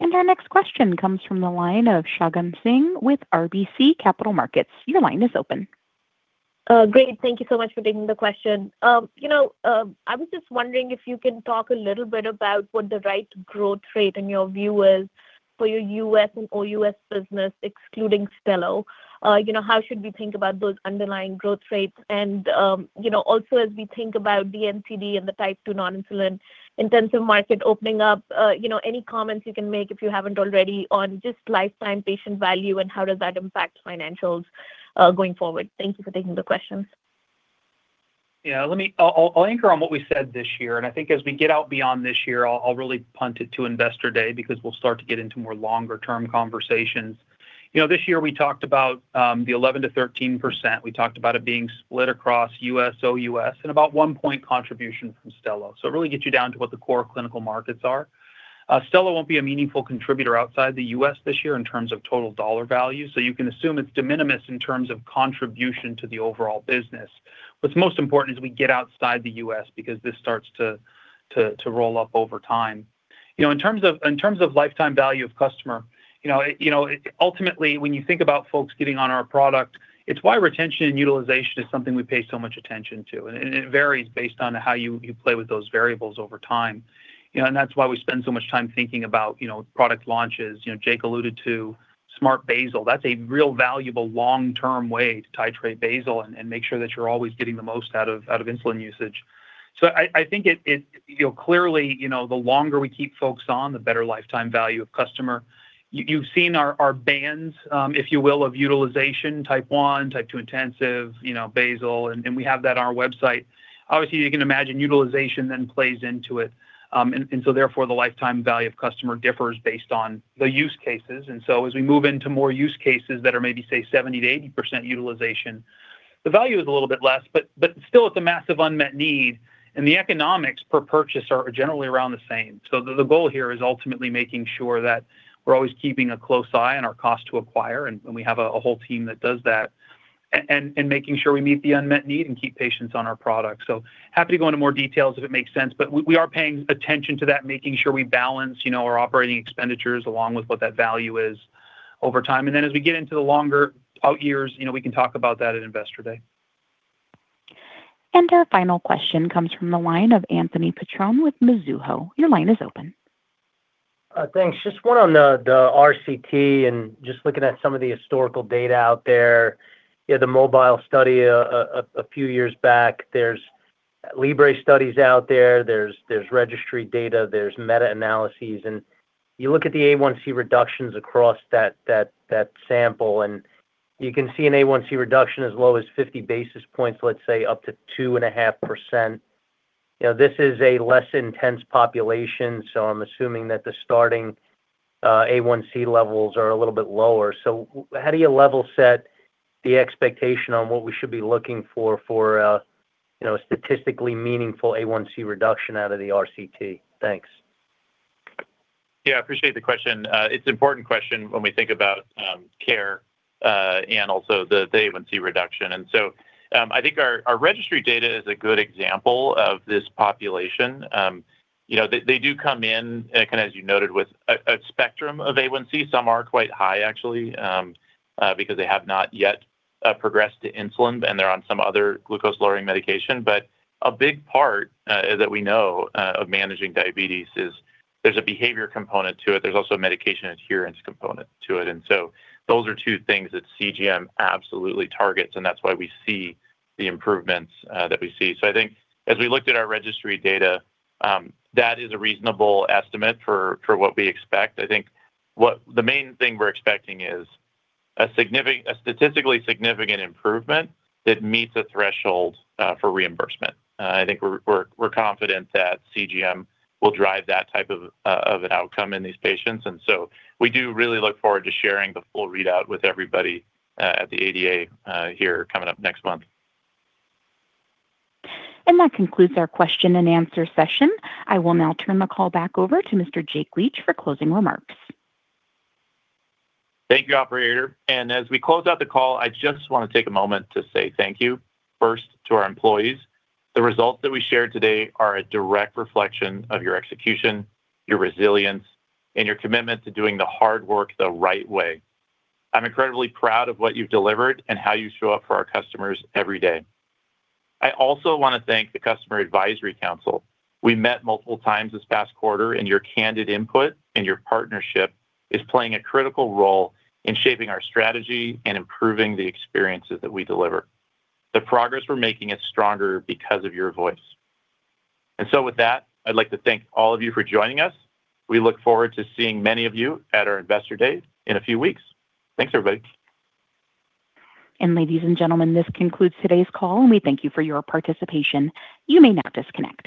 Our next question comes from the line of Shagun Singh with RBC Capital Markets. Your line is open. Great. Thank you so much for taking the question. You know, I was just wondering if you can talk a little bit about what the right growth rate in your view is for your U.S. and O.U.S. business, excluding Stelo. You know, how should we think about those underlying growth rates? You know, also as we think about MCD and the type 2 non-insulin intensive market opening up, you know, any comments you can make if you haven't already on just lifetime patient value and how does that impact financials, going forward? Thank you for taking the questions. Yeah. I'll anchor on what we said this year. I think as we get out beyond this year, I'll really punt it to Investor Day because we'll start to get into more longer term conversations. You know, this year we talked about the 11%-13%. We talked about it being split across U.S., O.U.S, and about one point contribution from Stelo. It really gets you down to what the core clinical markets are. Stelo won't be a meaningful contributor outside the U.S. this year in terms of total dollar value, so you can assume it's de minimis in terms of contribution to the overall business. What's most important is we get outside the U.S. because this starts to roll up over time. You know, in terms of lifetime value of customer, you know, it ultimately, when you think about folks getting on our product, it's why retention and utilization is something we pay so much attention to. It varies based on how you play with those variables over time. You know, that's why we spend so much time thinking about, you know, product launches. You know, Jake alluded to Smart Basal. That's a real valuable long-term way to titrate basal and make sure that you're always getting the most out of insulin usage. I think it, you know, clearly, you know, the longer we keep folks on, the better lifetime value of customer. You, you've seen our bands, if you will, of utilization, Type 1, Type 2 intensive, you know, basal, and we have that on our website. Obviously, you can imagine utilization then plays into it. Therefore, the lifetime value of customer differs based on the use cases. As we move into more use cases that are maybe, say, 70%-80% utilization, the value is a little bit less, but still it's a massive unmet need, the economics per purchase are generally around the same. The goal here is ultimately making sure that we're always keeping a close eye on our cost to acquire, and we have a whole team that does that. Making sure we meet the unmet need and keep patients on our product. Happy to go into more details if it makes sense, but we are paying attention to that, making sure we balance, you know, our operating expenditures along with what that value is over time. As we get into the longer out years, you know, we can talk about that at Investor Day. Our final question comes from the line of Anthony Petrone with Mizuho. Your line is open. Thanks. Just one on the RCT and just looking at some of the historical data out there. You had the MOBILE study a few years back. There's FreeStyle Libre studies out there. There's registry data. There's meta-analyses. You look at the A1C reductions across that sample. You can see an A1C reduction as low as 50 basis points, let's say up to 2.5%. You know, this is a less intense population, so I'm assuming that the starting A1C levels are a little bit lower. So how do you level set the expectation on what we should be looking for, you know, statistically meaningful A1C reduction out of the RCT? Thanks. Yeah, I appreciate the question. It's an important question when we think about care and also the A1C reduction. I think our registry data is a good example of this population. You know, they do come in, and kind of as you noted, with a spectrum of A1C. Some are quite high, actually, because they have not yet progressed to insulin, and they're on some other glucose-lowering medication. A big part that we know of managing diabetes is there's a behavior component to it. There's also a medication adherence component to it. Those are two things that CGM absolutely targets, and that's why we see the improvements that we see. I think as we looked at our registry data, that is a reasonable estimate for what we expect. I think what the main thing we're expecting is a significant, a statistically significant improvement that meets a threshold for reimbursement. I think we're confident that CGM will drive that type of an outcome in these patients. We do really look forward to sharing the full readout with everybody at the ADA here coming up next month. That concludes our question and answer session. I will now turn the call back over to Mr. Jake Leach for closing remarks. Thank you, Operator. As we close out the call, I just want to take a moment to say thank you, first to our employees. The results that we shared today are a direct reflection of your execution, your resilience, and your commitment to doing the hard work the right way. I'm incredibly proud of what you've delivered and how you show up for our customers every day. I also want to thank the Customer Advisory Council. We met multiple times this past quarter, and your candid input and your partnership is playing a critical role in shaping our strategy and improving the experiences that we deliver. The progress we're making is stronger because of your voice. With that, I'd like to thank all of you for joining us. We look forward to seeing many of you at our Investor Day in a few weeks. Thanks, everybody. Ladies and gentlemen, this concludes today's call, and we thank you for your participation. You may now disconnect.